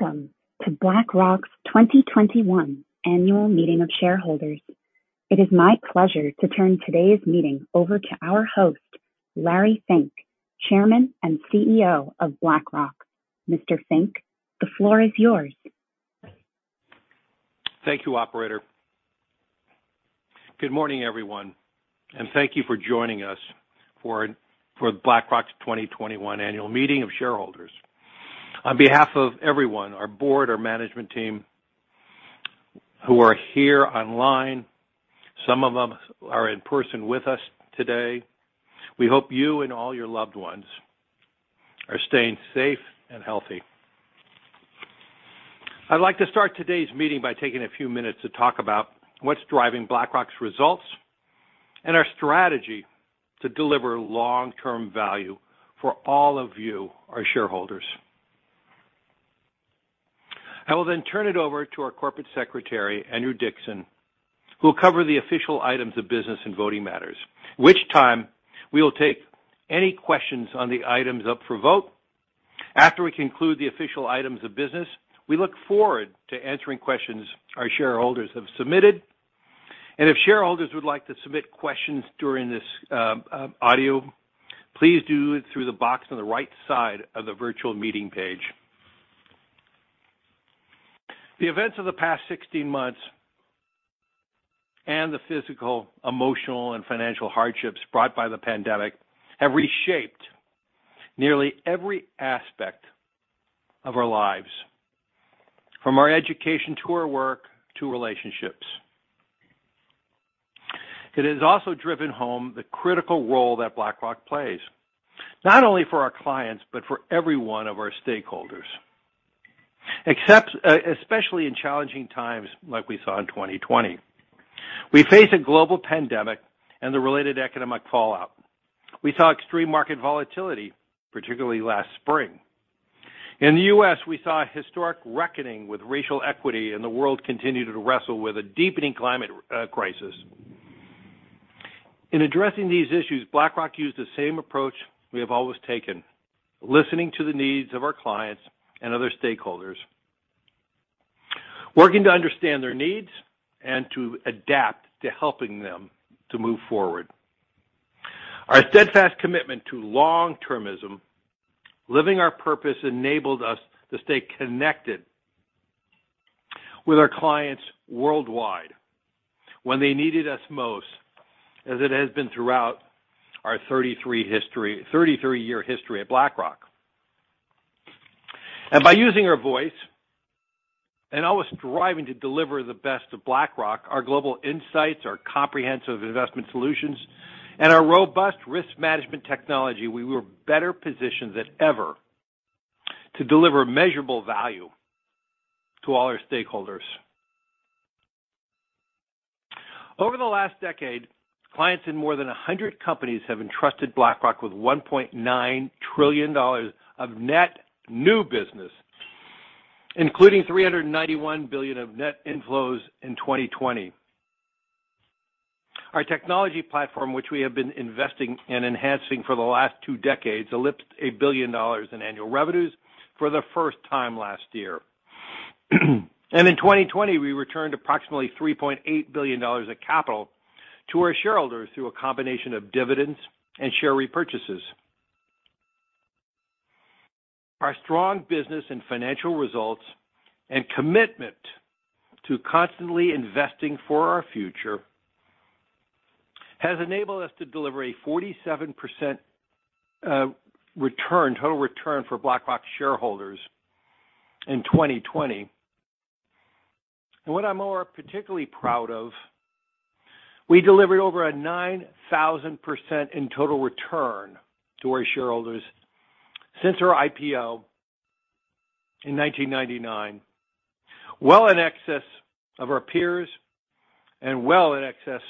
Welcome to BlackRock's 2021 annual meeting of shareholders. It is my pleasure to turn today's meeting over to our host, Larry Fink, Chairman and CEO of BlackRock. Mr. Fink, the floor is yours. Thank you, operator. Good morning, everyone, and thank you for joining us for BlackRock's 2021 annual meeting of shareholders. On behalf of everyone, our board, our management team who are here online, some of them are in person with us today, we hope you and all your loved ones are staying safe and healthy. I'd like to start today's meeting by taking a few minutes to talk about what's driving BlackRock's results and our strategy to deliver long-term value for all of you, our shareholders. I will then turn it over to our Corporate Secretary, Andrew Dickson, who will cover the official items of business and voting matters. At which time, we will take any questions on the items up for vote. After we conclude the official items of business, we look forward to answering questions our shareholders have submitted. If shareholders would like to submit questions during this audio, please do it through the box on the right side of the virtual meeting page. The events of the past 16 months and the physical, emotional, and financial hardships brought by the pandemic have reshaped nearly every aspect of our lives, from our education to our work to relationships. It has also driven home the critical role that BlackRock plays, not only for our clients but for every one of our stakeholders, especially in challenging times like we saw in 2020. We faced a global pandemic and the related economic fallout. We saw extreme market volatility, particularly last spring. In the U.S., we saw historic reckoning with racial equity, and the world continued to wrestle with a deepening climate crisis. In addressing these issues, BlackRock used the same approach we have always taken, listening to the needs of our clients and other stakeholders, working to understand their needs and to adapt to helping them to move forward. Our steadfast commitment to long-termism, living our purpose enabled us to stay connected with our clients worldwide when they needed us most, as it has been throughout our 33-year history at BlackRock. By using our voice and always striving to deliver the best of BlackRock, our global insights, our comprehensive investment solutions, and our robust risk management technology, we were better positioned than ever to deliver measurable value to all our stakeholders. Over the last decade, clients in more than 100 companies have entrusted BlackRock with $1.9 trillion of net new business, including $391 billion of net inflows in 2020. Our technology platform, which we have been investing in enhancing for the last two decades, eclipsed a billion dollars in annual revenues for the first time last year. In 2020, we returned approximately $3.8 billion of capital to our shareholders through a combination of dividends and share repurchases. Our strong business and financial results and commitment to constantly investing for our future has enabled us to deliver a 47% total return for BlackRock shareholders in 2020. What I'm particularly proud of, we delivered over 9,000% in total return to our shareholders since our IPO in 1999, well in excess of our peers and well in excess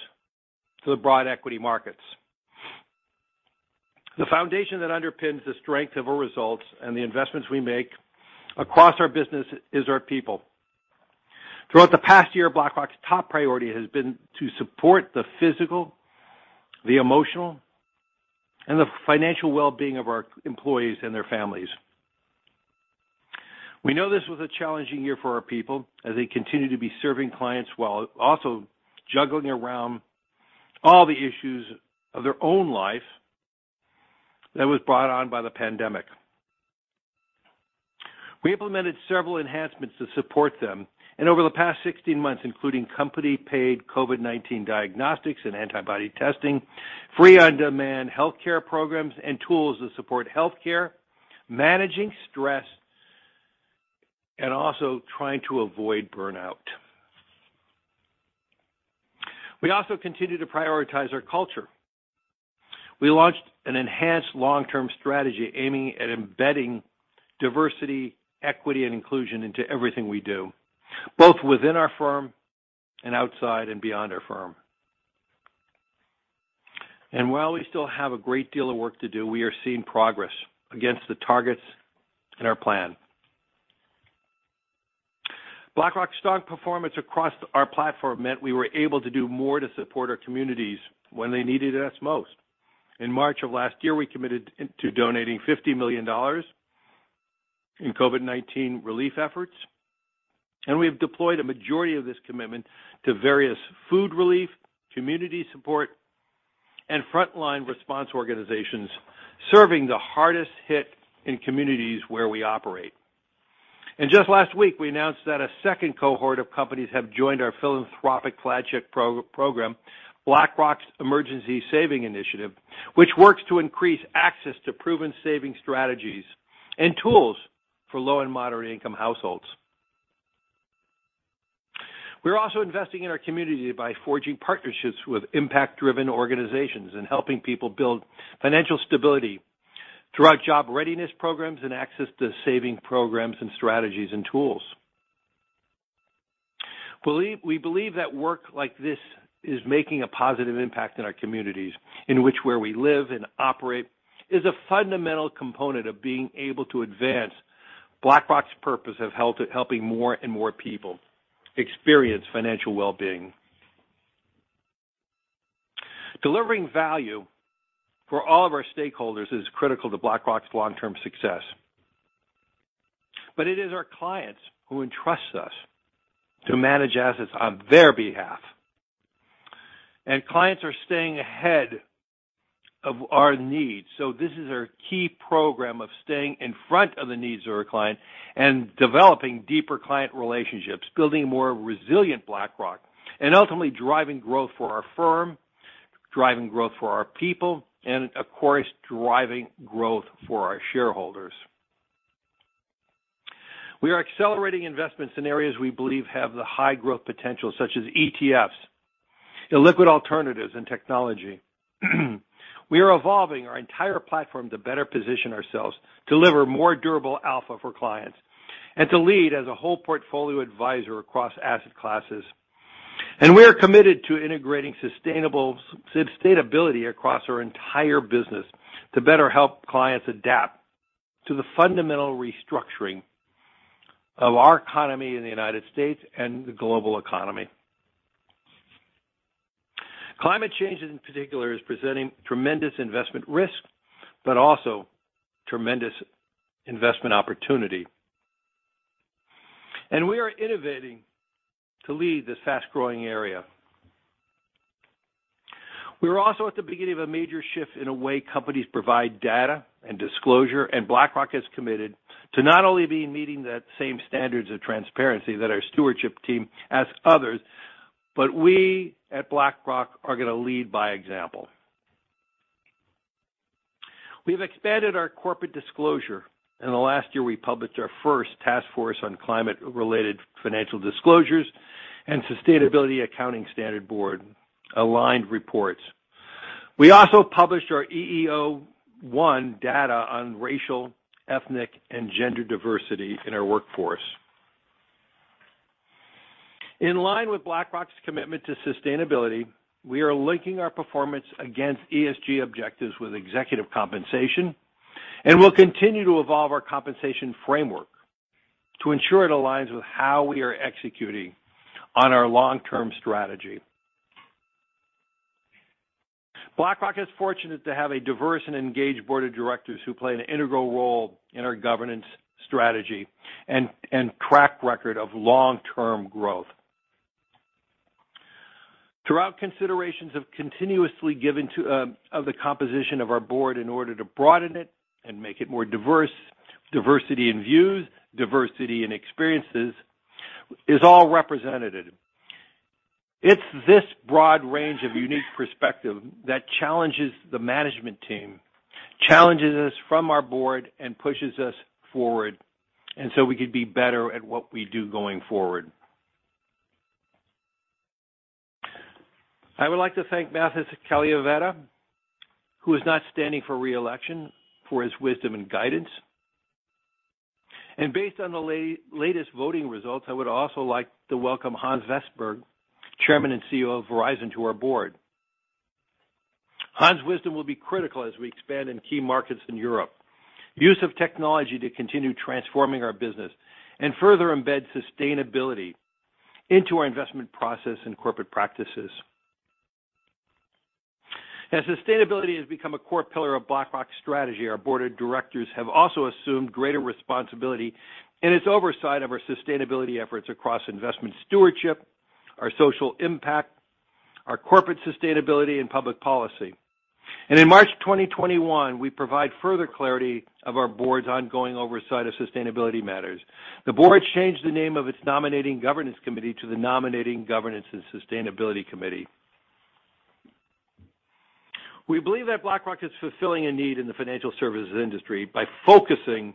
to the broad equity markets. The foundation that underpins the strength of our results and the investments we make across our business is our people. Throughout the past year, BlackRock's top priority has been to support the physical, the emotional, and the financial well-being of our employees and their families. We know this was a challenging year for our people as they continued to be serving clients while also juggling around all the issues of their own life that was brought on by the pandemic. We implemented several enhancements to support them and over the past 16 months, including company paid COVID-19 diagnostics and antibody testing, free on-demand healthcare programs and tools to support healthcare, managing stress, and also trying to avoid burnout. We also continue to prioritize our culture. We launched an enhanced long-term strategy aiming at embedding diversity, equity, and inclusion into everything we do, both within our firm and outside and beyond our firm. While we still have a great deal of work to do, we are seeing progress against the targets in our plan. BlackRock stock performance across our platform meant we were able to do more to support our communities when they needed us most. In March of last year, we committed to donating $50 million in COVID-19 relief efforts, and we've deployed a majority of this commitment to various food relief, community support, and frontline response organizations serving the hardest hit in communities where we operate. Just last week, we announced that a second cohort of companies have joined our philanthropic flagship program, BlackRock's Emergency Savings Initiative, which works to increase access to proven saving strategies and tools for low and moderate income households. We're also investing in our community by forging partnerships with impact-driven organizations and helping people build financial stability through our job readiness programs and access to saving programs and strategies and tools. We believe that work like this is making a positive impact in our communities, in which where we live and operate is a fundamental component of being able to advance BlackRock's purpose of helping more and more people experience financial well-being. Delivering value for all of our stakeholders is critical to BlackRock's long-term success. It is our clients who entrust us to manage assets on their behalf, and clients are staying ahead of our needs. This is our key program of staying in front of the needs of our client and developing deeper client relationships, building a more resilient BlackRock, and ultimately driving growth for our firm, driving growth for our people, and of course, driving growth for our shareholders. We are accelerating investments in areas we believe have the high growth potential, such as ETFs, illiquid alternatives, and technology. We are evolving our entire platform to better position ourselves, deliver more durable alpha for clients, and to lead as a whole portfolio advisor across asset classes. We are committed to integrating sustainability across our entire business to better help clients adapt to the fundamental restructuring of our economy in the United States and the global economy. Climate change in particular is presenting tremendous investment risk, but also tremendous investment opportunity. We are innovating to lead this fast-growing area. We are also at the beginning of a major shift in the way companies provide data and disclosure. BlackRock is committed to not only be meeting that same standards of transparency that our stewardship team asks others, but we at BlackRock are going to lead by example. We've expanded our corporate disclosure. In the last year, we published our first Task Force on Climate-related Financial Disclosures and Sustainability Accounting Standards Board aligned reports. We also published our EEO-1 data on racial, ethnic, and gender diversity in our workforce. In line with BlackRock's commitment to sustainability, we are linking our performance against ESG objectives with executive compensation. We'll continue to evolve our compensation framework to ensure it aligns with how we are executing on our long-term strategy. BlackRock is fortunate to have a diverse and engaged board of directors who play an integral role in our governance strategy and track record of long-term growth. Throughout considerations of continuously giving to the composition of our board in order to broaden it and make it more diverse, diversity in views, diversity in experiences is all represented. It's this broad range of unique perspective that challenges the management team, challenges us from our board and pushes us forward, so we can be better at what we do going forward. I would like to thank Mathis Cabiallavetta, who is not standing for re-election, for his wisdom and guidance. Based on the latest voting results, I would also like to welcome Hans Vestberg, Chairman and CEO of Verizon, to our board. Hans's wisdom will be critical as we expand in key markets in Europe, use of technology to continue transforming our business, and further embed sustainability into our investment process and corporate practices. As sustainability has become a core pillar of BlackRock's strategy, our board of directors have also assumed greater responsibility in its oversight of our sustainability efforts across investment stewardship, our social impact, our corporate sustainability, and public policy. In March 2021, we provide further clarity of our board's ongoing oversight of sustainability matters. The board changed the name of its Nominating and Governance Committee to the Nominating, Governance, and Sustainability Committee. We believe that BlackRock is fulfilling a need in the financial services industry by focusing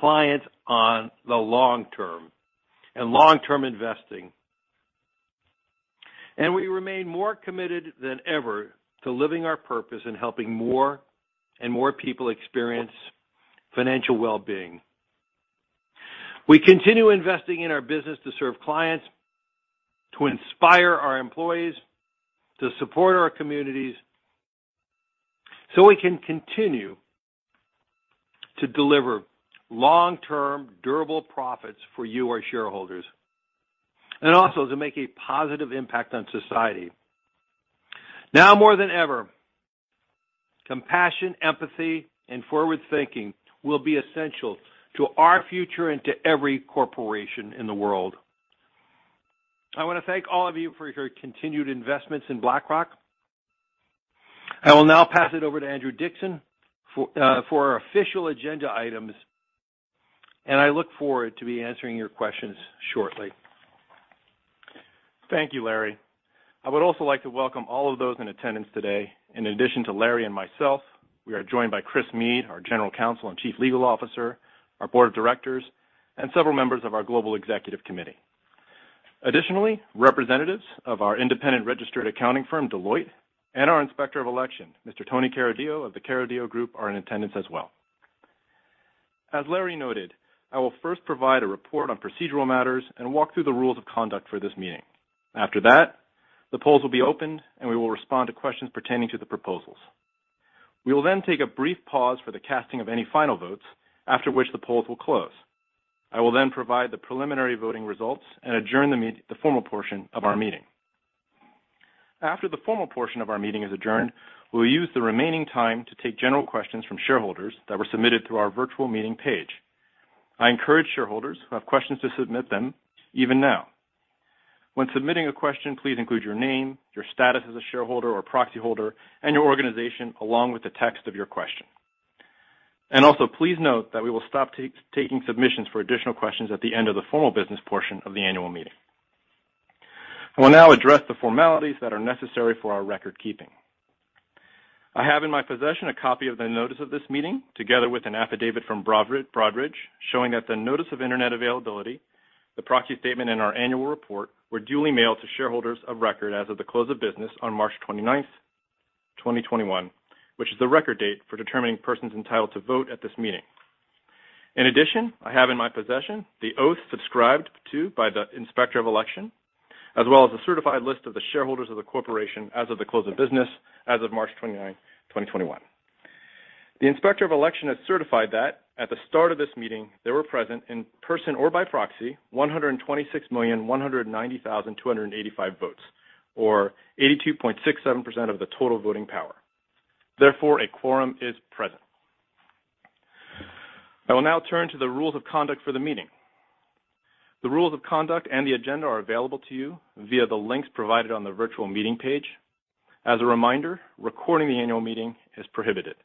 clients on the long term and long-term investing. We remain more committed than ever to living our purpose and helping more and more people experience financial well-being. We continue investing in our business to serve clients, to inspire our employees, to support our communities. We can continue to deliver long-term durable profits for you, our shareholders, and also to make a positive impact on society. Now more than ever, compassion, empathy, and forward thinking will be essential to our future and to every corporation in the world. I want to thank all of you for your continued investments in BlackRock. I will now pass it over to Andrew Dickson for our official agenda items, and I look forward to be answering your questions shortly. Thank you, Larry. I would also like to welcome all of those in attendance today. In addition to Larry and myself, we are joined by Chris Meade, our General Counsel and Chief Legal Officer, our Board of Directors, and several members of our Global Executive Committee. Additionally, representatives of our independent registered accounting firm, Deloitte, and our Inspector of Election, Mr. Tony Carideo of the Carideo Group, are in attendance as well. As Larry noted, I will first provide a report on procedural matters and walk through the rules of conduct for this meeting. After that, the polls will be opened, and we will respond to questions pertaining to the proposals. We will then take a brief pause for the casting of any final votes, after which the polls will close. I will then provide the preliminary voting results and adjourn the formal portion of our meeting. After the formal portion of our meeting is adjourned, we'll use the remaining time to take general questions from shareholders that were submitted through our virtual meeting page. I encourage shareholders who have questions to submit them even now. When submitting a question, please include your name, your status as a shareholder or proxy holder, and your organization along with the text of your question. Please note that we will stop taking submissions for additional questions at the end of the formal business portion of the annual meeting. I will now address the formalities that are necessary for our record keeping. I have in my possession a copy of the notice of this meeting, together with an affidavit from Broadridge, showing that the notice of internet availability, the proxy statement in our annual report, were duly mailed to shareholders of record as of the close of business on March 29th, 2021, which is the record date for determining persons entitled to vote at this meeting. In addition, I have in my possession the oath subscribed to by the Inspector of Election, as well as a certified list of the shareholders of the corporation as of the close of business as of March 29, 2021. The Inspector of Election has certified that at the start of this meeting, there were present in person or by proxy, 126,190,285 votes, or 82.67% of the total voting power. Therefore, a quorum is present. I will now turn to the rules of conduct for the meeting. The rules of conduct and the agenda are available to you via the links provided on the virtual meeting page. As a reminder, recording the annual meeting is prohibited.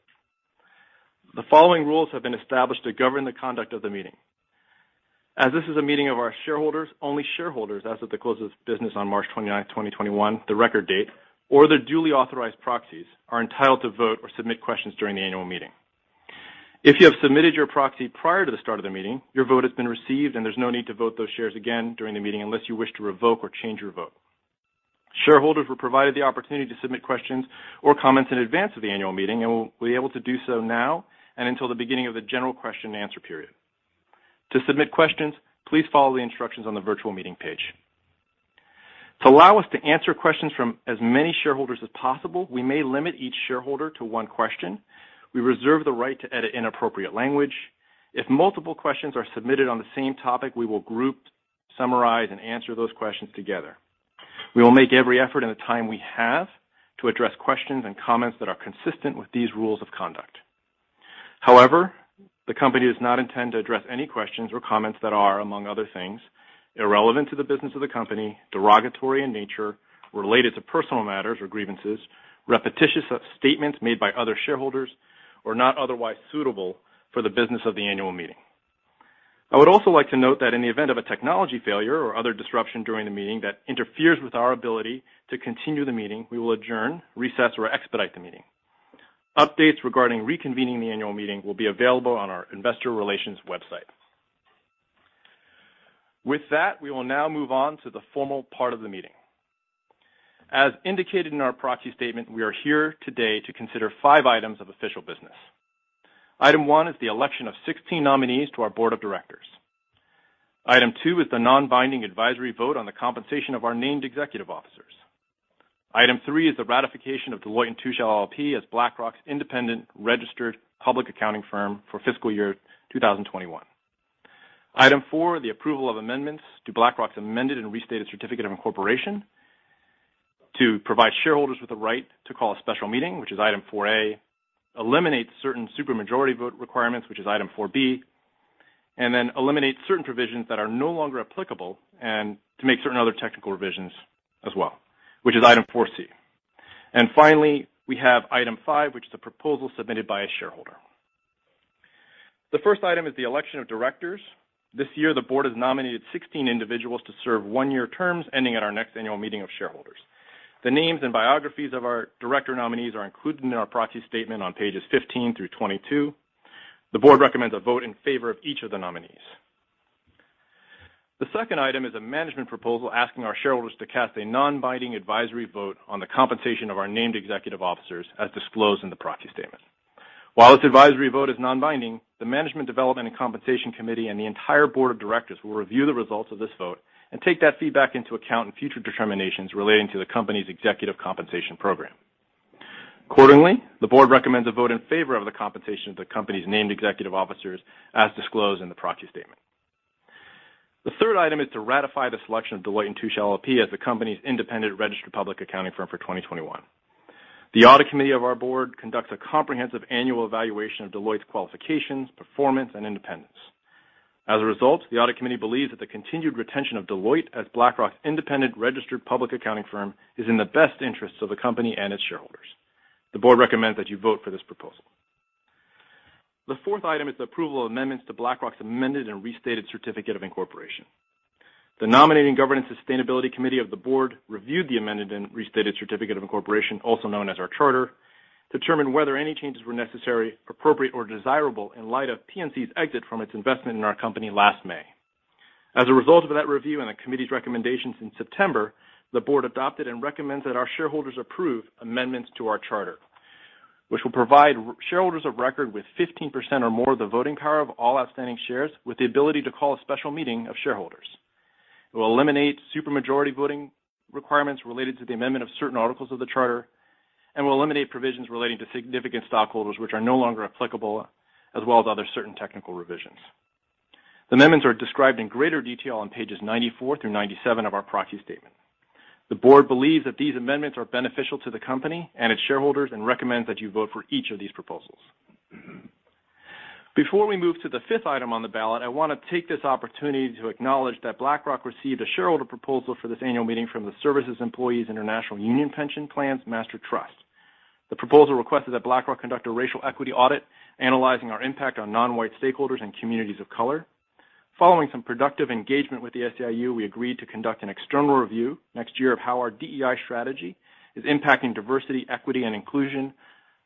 The following rules have been established to govern the conduct of the meeting. As this is a meeting of our shareholders, only shareholders as of the close of business on March 29, 2021, the record date, or their duly authorized proxies, are entitled to vote or submit questions during the annual meeting. If you have submitted your proxy prior to the start of the meeting, your vote has been received and there's no need to vote those shares again during the meeting unless you wish to revoke or change your vote. Shareholders were provided the opportunity to submit questions or comments in advance of the annual meeting and will be able to do so now and until the beginning of the general question and answer period. To submit questions, please follow the instructions on the virtual meeting page. To allow us to answer questions from as many shareholders as possible, we may limit each shareholder to one question. We reserve the right to edit inappropriate language. If multiple questions are submitted on the same topic, we will group, summarize, and answer those questions together. We will make every effort in the time we have to address questions and comments that are consistent with these rules of conduct. However, the company does not intend to address any questions or comments that are, among other things, irrelevant to the business of the company, derogatory in nature, related to personal matters or grievances, repetitious of statements made by other shareholders, or not otherwise suitable for the business of the annual meeting. I would also like to note that in the event of a technology failure or other disruption during the meeting that interferes with our ability to continue the meeting, we will adjourn, recess, or expedite the meeting. Updates regarding reconvening the annual meeting will be available on our investor relations website. With that, we will now move on to the formal part of the meeting. As indicated in our proxy statement, we are here today to consider five items of official business. Item 1 is the election of 16 nominees to our board of directors. Item 2 is the non-binding advisory vote on the compensation of our named executive officers. Item 3 is the ratification of Deloitte & Touche LLP as BlackRock's independent registered public accounting firm for fiscal year 2021. Item 4, the approval of amendments to BlackRock's Amended and Restated Certificate of Incorporation to provide shareholders with the right to call a special meeting, which is Item 4(a), eliminate certain super majority vote requirements, which is Item 4(b), eliminate certain provisions that are no longer applicable and to make certain other technical revisions as well, which is Item 4(c). Finally, we have Item 5, which is the proposal submitted by a shareholder. The first item is the election of directors. This year, the board has nominated 16 individuals to serve one-year terms ending at our next annual meeting of shareholders. The names and biographies of our director nominees are included in our proxy statement on pages 15 through 22. The board recommends a vote in favor of each of the nominees. The second item is a management proposal asking our shareholders to cast a non-binding advisory vote on the compensation of our named executive officers as disclosed in the proxy statement. While this advisory vote is non-binding, the Management Development and Compensation Committee and the entire board of directors will review the results of this vote and take that feedback into account in future determinations relating to the company's executive compensation program. Accordingly, the board recommends a vote in favor of the compensation of the company's named executive officers as disclosed in the proxy statement. The third item is to ratify the selection of Deloitte & Touche LLP as the company's independent registered public accounting firm for 2021. The Audit Committee of our board conducts a comprehensive annual evaluation of Deloitte's qualifications, performance, and independence. As a result, the Audit Committee believes that the continued retention of Deloitte as BlackRock's independent registered public accounting firm is in the best interest of the company and its shareholders. The board recommends that you vote for this proposal. The fourth item is the approval of amendments to BlackRock's Amended and Restated Certificate of Incorporation. The Nominating, Governance and Sustainability Committee of the board reviewed the amended and restated certificate of incorporation, also known as our charter, determined whether any changes were necessary, appropriate, or desirable in light of PNC's exit from its investment in our company last May. As a result of that review and the committee's recommendations in September, the board adopted and recommends that our shareholders approve amendments to our charter, which will provide shareholders of record with 15% or more of the voting power of all outstanding shares with the ability to call a special meeting of shareholders. It will eliminate super majority voting requirements related to the amendment of certain articles of the charter and will eliminate provisions relating to significant stockholders which are no longer applicable, as well as other certain technical revisions. The amendments are described in greater detail on pages 94 through 97 of our proxy statement. The board believes that these amendments are beneficial to the company and its shareholders and recommends that you vote for each of these proposals. Before we move to the fifth item on the ballot, I want to take this opportunity to acknowledge that BlackRock received a shareholder proposal for this annual meeting from the Service Employees International Union Pension Plans Master Trust. The proposal requested that BlackRock conduct a racial equity audit analyzing our impact on non-white stakeholders and communities of color. Following some productive engagement with the SEIU, we agreed to conduct an external review next year of how our DEI strategy is impacting diversity, equity, and inclusion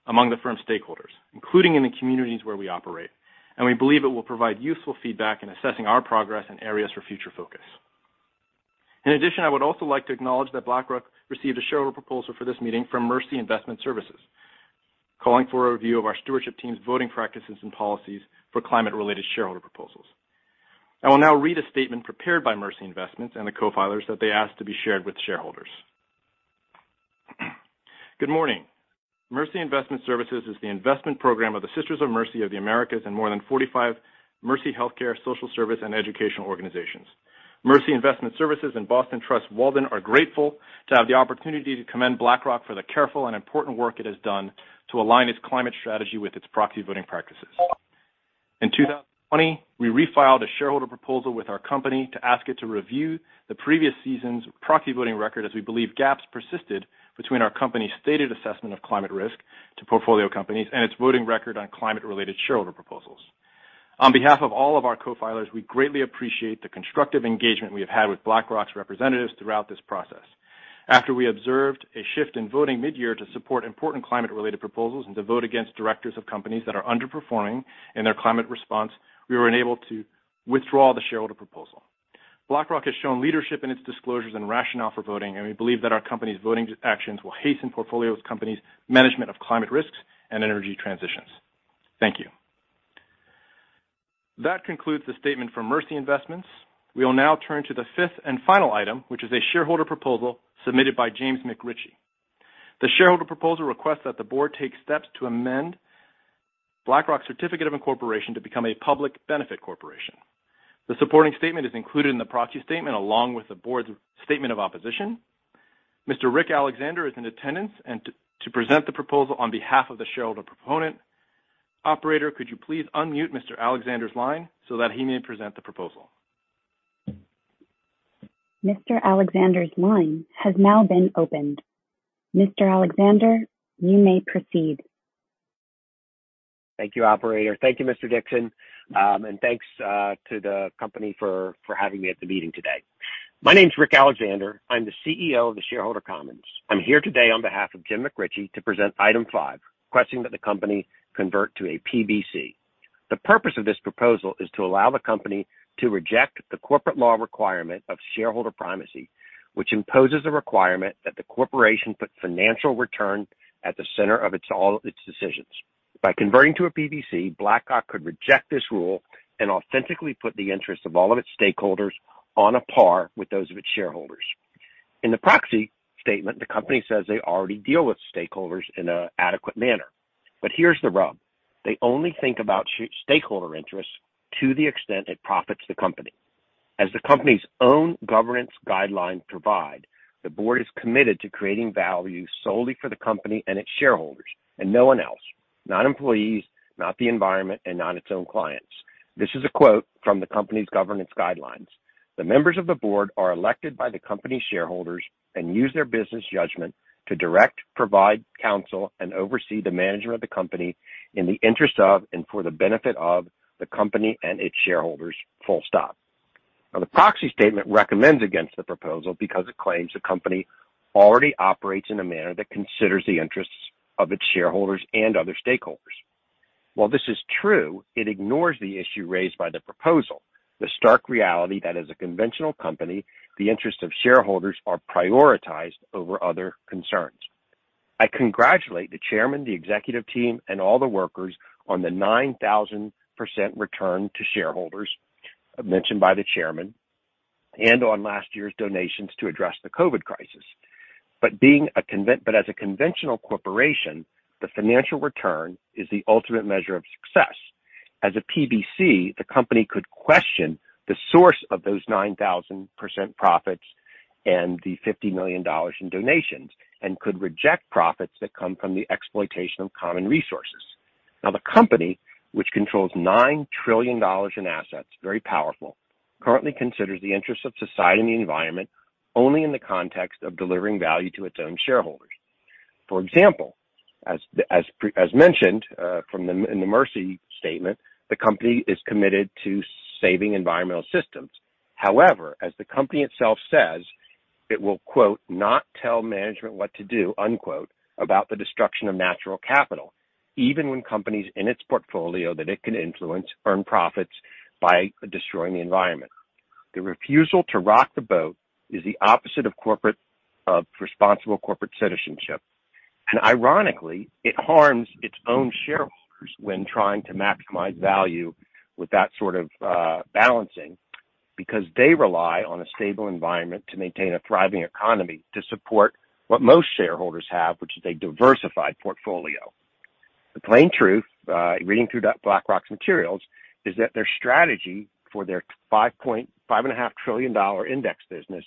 among different stakeholders, including in the communities where we operate, and we believe it will provide useful feedback in assessing our progress and areas for future focus. In addition, I would also like to acknowledge that BlackRock received a shareholder proposal for this meeting from Mercy Investment Services calling for a review of our stewardship team's voting practices and policies for climate-related shareholder proposals. I will now read a statement prepared by Mercy Investment Services and the co-filers that they asked to be shared with shareholders. Good morning. Mercy Investment Services is the investment program of the Sisters of Mercy of the Americas and more than 45 Mercy healthcare, social service, and educational organizations. Mercy Investment Services and Boston Trust Walden Company are grateful to have the opportunity to commend BlackRock for the careful and important work it has done to align its climate strategy with its proxy voting practices. In 2020, we refiled a shareholder proposal with our company to ask it to review the previous season's proxy voting record as we believe gaps persisted between our company's stated assessment of climate risk to portfolio companies and its voting record on climate-related shareholder proposals. On behalf of all of our co-filers, we greatly appreciate the constructive engagement we have had with BlackRock's representatives throughout this process. After we observed a shift in voting mid-year to support important climate-related proposals and to vote against directors of companies that are underperforming in their climate response, we were able to withdraw the shareholder proposal. BlackRock has shown leadership in its disclosures and rationale for voting, and we believe that our company's voting actions will hasten portfolio companies' management of climate risks and energy transitions. Thank you. That concludes the statement from Mercy Investments. We will now turn to the fifth and final item, which is a shareholder proposal submitted by James McRitchie. The shareholder proposal requests that the board take steps to amend BlackRock's Certificate of Incorporation to become a public benefit corporation. The supporting statement is included in the proxy statement along with the board's statement of opposition. Mr. Rick Alexander is in attendance to present the proposal on behalf of the shareholder proponent. Operator, could you please unmute Mr. Alexander's line so that he may present the proposal? Mr. Alexander's line has now been opened. Mr. Alexander, you may proceed. Thank you, operator. Thank you, Mr. Dickson, and thanks to the company for having me at the meeting today. My name's Rick Alexander. I'm the CEO of The Shareholder Commons. I'm here today on behalf of Jim McRitchie to present Item 5, requesting that the company convert to a PBC. The purpose of this proposal is to allow the company to reject the corporate law requirement of shareholder primacy, which imposes a requirement that the corporation put financial return at the center of all its decisions. By converting to a PBC, BlackRock could reject this rule and authentically put the interest of all of its stakeholders on a par with those of its shareholders. In the proxy statement, the company says they already deal with stakeholders in an adequate manner. Here's the rub; they only think about stakeholder interests to the extent it profits the company. As the company's own governance guidelines provide, the board is committed to creating value solely for the company and its shareholders and no one else, not employees, not the environment, and not its own clients. This is a quote from the company's governance guidelines. "The members of the board are elected by the company's shareholders and use their business judgment to direct, provide counsel, and oversee the management of the company in the interest of and for the benefit of the company and its shareholders." The proxy statement recommends against the proposal because it claims the company already operates in a manner that considers the interests of its shareholders and other stakeholders. While this is true, it ignores the issue raised by the proposal The stark reality that as a conventional company, the interest of shareholders are prioritized over other concerns. I congratulate the chairman, the executive team, and all the workers on the 9,000% return to shareholders mentioned by the chairman and on last year's donations to address the COVID crisis. As a conventional corporation, the financial return is the ultimate measure of success. As a PBC, the company could question the source of those 9,000% profits and the $50 million in donations and could reject profits that come from the exploitation of common resources. The company, which controls $9 trillion in assets, very powerful, currently considers the interest of society and the environment only in the context of delivering value to its own shareholders. For example, as mentioned in the Mercy statement, the company is committed to saving environmental systems. As the company itself says, it will, quote, "Not tell management what to do," unquote, about the destruction of natural capital, even when companies in its portfolio that it can influence earn profits by destroying the environment. The refusal to rock the boat is the opposite of responsible corporate citizenship, and ironically, it harms its own shareholders when trying to maximize value with that sort of balancing because they rely on a stable environment to maintain a thriving economy to support what most shareholders have, which is a diversified portfolio. The plain truth, reading through BlackRock's materials, is that their strategy for their $5.5 trillion index business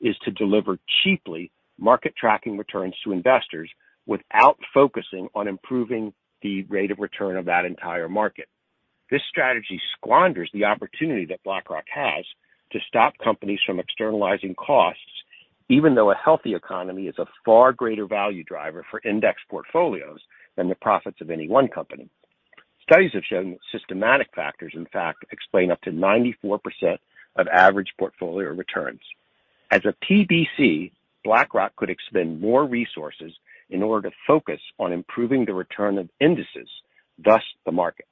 is to deliver cheaply market tracking returns to investors without focusing on improving the rate of return of that entire market. This strategy squanders the opportunity that BlackRock has to stop companies from externalizing costs, even though a healthy economy is a far greater value driver for index portfolios than the profits of any one company. Studies have shown that systematic factors, in fact, explain up to 94% of average portfolio returns. As a PBC, BlackRock could expend more resources in order to focus on improving the return of indices, thus the market.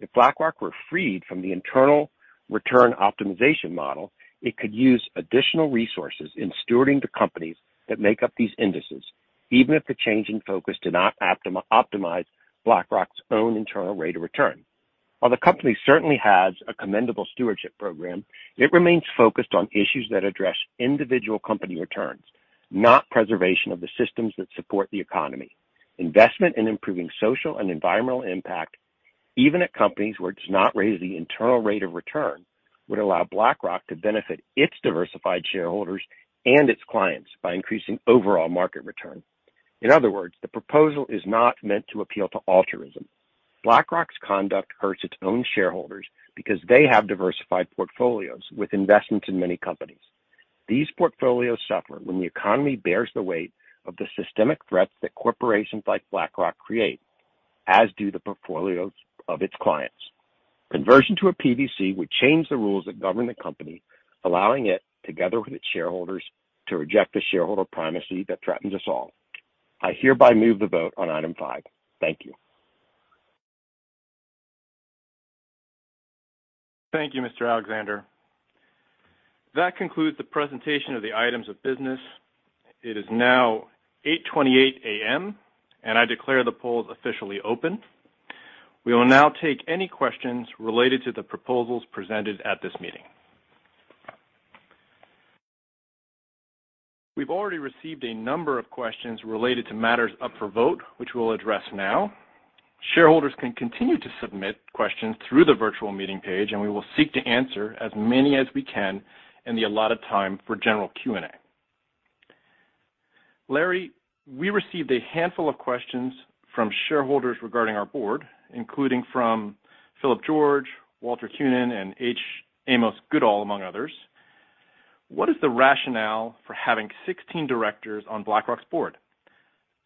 If BlackRock were freed from the internal return optimization model, it could use additional resources in stewarding the companies that make up these indices, even if the change in focus did not optimize BlackRock's own internal rate of return. While the company certainly has a commendable stewardship program, it remains focused on issues that address individual company returns, not preservation of the systems that support the economy. Investment in improving social and environmental impact, even at companies where it does not raise the internal rate of return, would allow BlackRock to benefit its diversified shareholders and its clients by increasing overall market return. In other words, the proposal is not meant to appeal to altruism. BlackRock's conduct hurts its own shareholders because they have diversified portfolios with investments in many companies. These portfolios suffer when the economy bears the weight of the systemic threats that corporations like BlackRock create, as do the portfolios of its clients. Conversion to a PBC would change the rules that govern the company, allowing it, together with its shareholders, to reject the shareholder primacy that threatens us all. I hereby move the vote on Item 5. Thank you. Thank you, Mr. Alexander. That concludes the presentation of the items of business. It is now 8:28 A.M. I declare the polls officially open. We will now take any questions related to the proposals presented at this meeting. We've already received a number of questions related to matters up for vote, which we'll address now. Shareholders can continue to submit questions through the virtual meeting page. We will seek to answer as many as we can in the allotted time for general Q&A. Larry, we received a handful of questions from shareholders regarding our board, including from Philip George, Walter Cunan, and H. Amos Goodall, among others. What is the rationale for having 16 directors on BlackRock's board?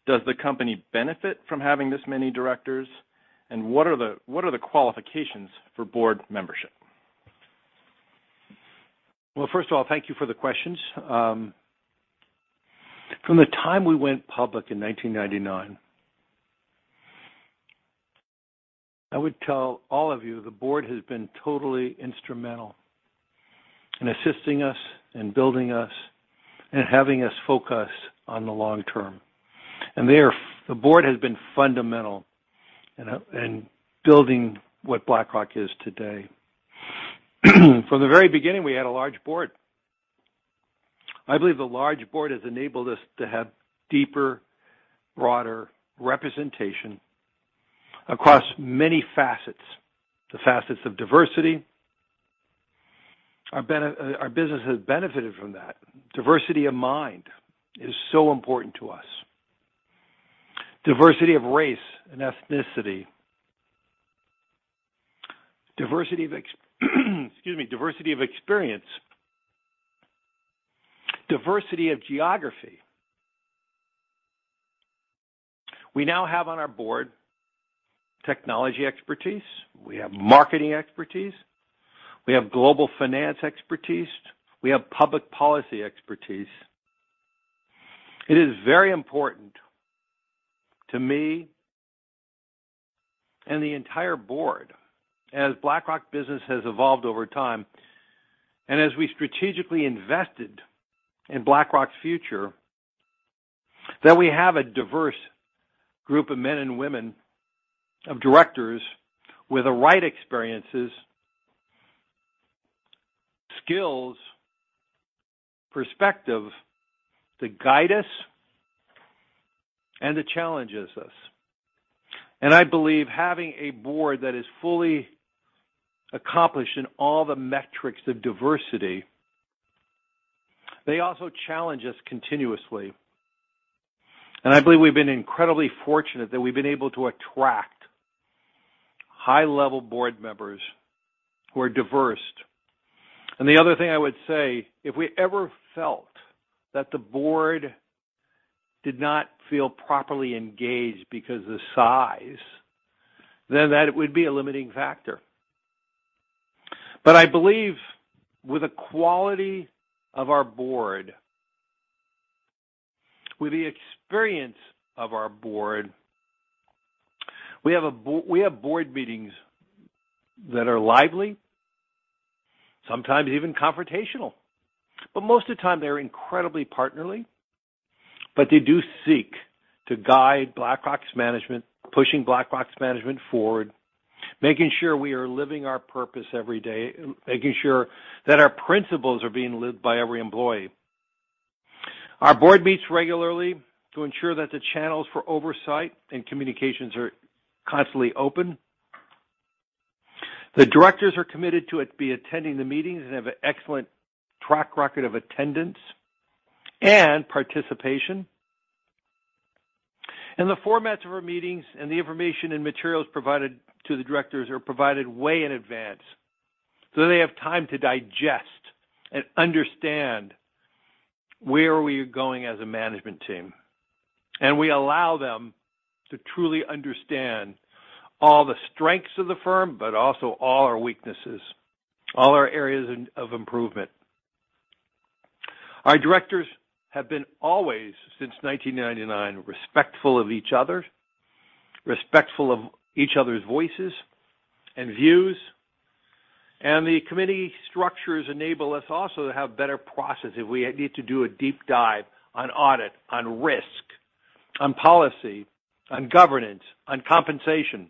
Does the company benefit from having this many directors? What are the qualifications for board membership? First of all, thank you for the questions. From the time we went public in 1999, I would tell all of you the board has been totally instrumental in assisting us, in building us, and having us focus on the long term. The board has been fundamental in building what BlackRock is today. From the very beginning, we had a large board. I believe the large board has enabled us to have deeper, broader representation across many facets. The facets of diversity; our business has benefited from that. Diversity of mind is so important to us, diversity of race and ethnicity, excuse me, diversity of experience, diversity of geography. We now have on our board technology expertise, we have marketing expertise, we have global finance expertise, we have public policy expertise. It is very important to me and the entire board, as BlackRock business has evolved over time and as we strategically invested in BlackRock's future, that we have a diverse group of men and women of directors with the right experiences, skills, perspective to guide us and to challenge us. I believe having a board that is fully accomplished in all the metrics of diversity, they also challenge us continuously. I believe we've been incredibly fortunate that we've been able to attract high-level board members who are diverse. The other thing I would say, if we ever felt that the board did not feel properly engaged because of size, then that would be a limiting factor. I believe with the quality of our board, with the experience of our board, we have board meetings that are lively, sometimes even confrontational, but most of the time they're incredibly partnerly. They do seek to guide BlackRock's management, pushing BlackRock's management forward, making sure we are living our purpose every day, making sure that our principles are being lived by every employee. Our board meets regularly to ensure that the channels for oversight and communications are constantly open. The directors are committed to attending the meetings and have an excellent track record of attendance and participation. The formats of our meetings and the information and materials provided to the directors are provided way in advance, so they have time to digest and understand where we are going as a management team. We allow them to truly understand all the strengths of the firm, but also all our weaknesses, all our areas of improvement. Our directors have been always, since 1999, respectful of each other, respectful of each other's voices and views. The committee structures enable us also to have better processes if we need to do a deep dive on audit, on risk, on policy, on governance, on compensation.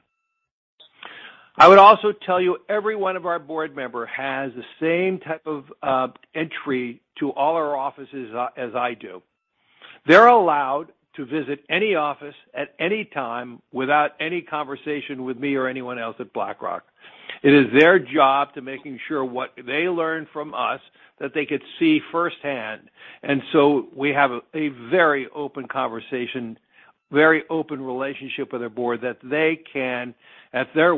I would also tell you, every one of our board member has the same type of entry to all our offices as I do. They're allowed to visit any office at any time without any conversation with me or anyone else at BlackRock. It is their job to making sure what they learn from us that they could see firsthand. We have a very open conversation, very open relationship with our board that they can, at their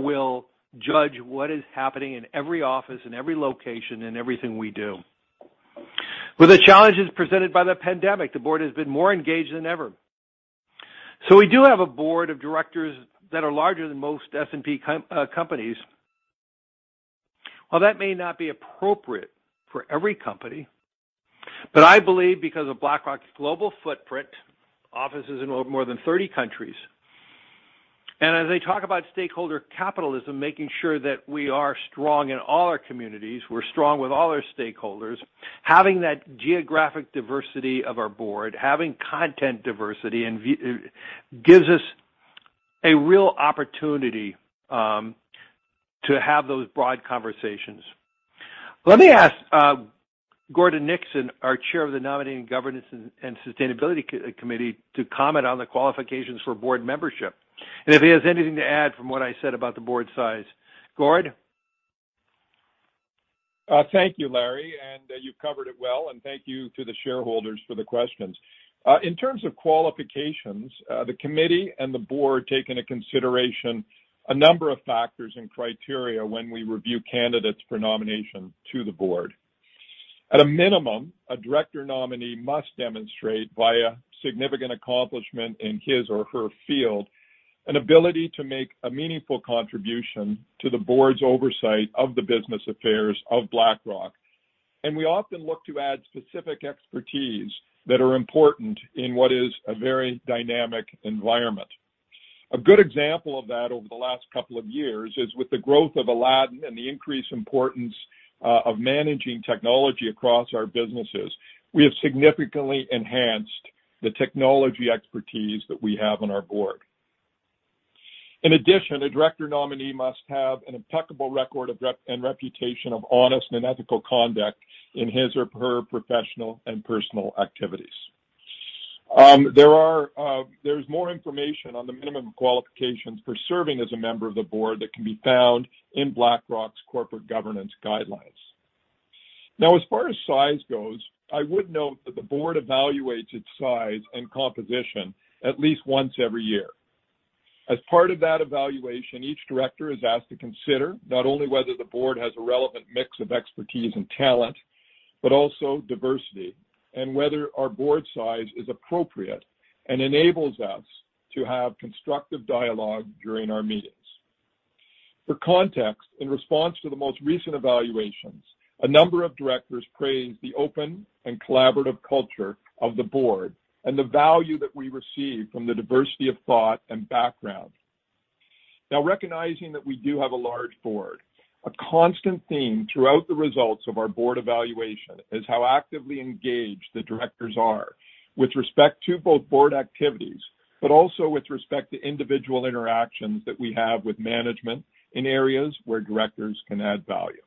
will, judge what is happening in every office, in every location, in everything we do. With the challenges presented by the pandemic, the board has been more engaged than ever. We do have a Board of Directors that are larger than most S&P companies. While that may not be appropriate for every company, but I believe because of BlackRock's global footprint, offices in more than 30 countries, and as I talk about stakeholder capitalism, making sure that we are strong in all our communities, we're strong with all our stakeholders, having that geographic diversity of our board, having content diversity, gives us a real opportunity to have those broad conversations. Let me ask Gordon Nixon, our Chair of the Nominating, Governance and Sustainability Committee, to comment on the qualifications for board membership, and if he has anything to add from what I said about the board size. Gord? Thank you, Larry. You've covered it well. Thank you to the shareholders for the questions. In terms of qualifications, the committee and the board take into consideration a number of factors and criteria when we review candidates for nomination to the board. At a minimum, a Director Nominee must demonstrate, via significant accomplishment in his or her field, an ability to make a meaningful contribution to the board's oversight of the business affairs of BlackRock. We often look to add specific expertise that are important in what is a very dynamic environment. A good example of that over the last couple of years is with the growth of Aladdin and the increased importance of managing technology across our businesses. We have significantly enhanced the technology expertise that we have on our board. In addition, a director nominee must have an impeccable record and reputation of honest and ethical conduct in his or her professional and personal activities. There's more information on the minimum qualifications for serving as a member of the board that can be found in BlackRock's Corporate Governance Guidelines. As far as size goes, I would note that the board evaluates its size and composition at least once every year. As part of that evaluation, each director is asked to consider not only whether the board has a relevant mix of expertise and talent, but also diversity, and whether our board size is appropriate and enables us to have constructive dialogue during our meetings. For context, in response to the most recent evaluations, a number of directors praised the open and collaborative culture of the board and the value that we receive from the diversity of thought and background. Now, recognizing that we do have a large board, a constant theme throughout the results of our board evaluation is how actively engaged the directors are with respect to both board activities, but also with respect to individual interactions that we have with management in areas where directors can add value.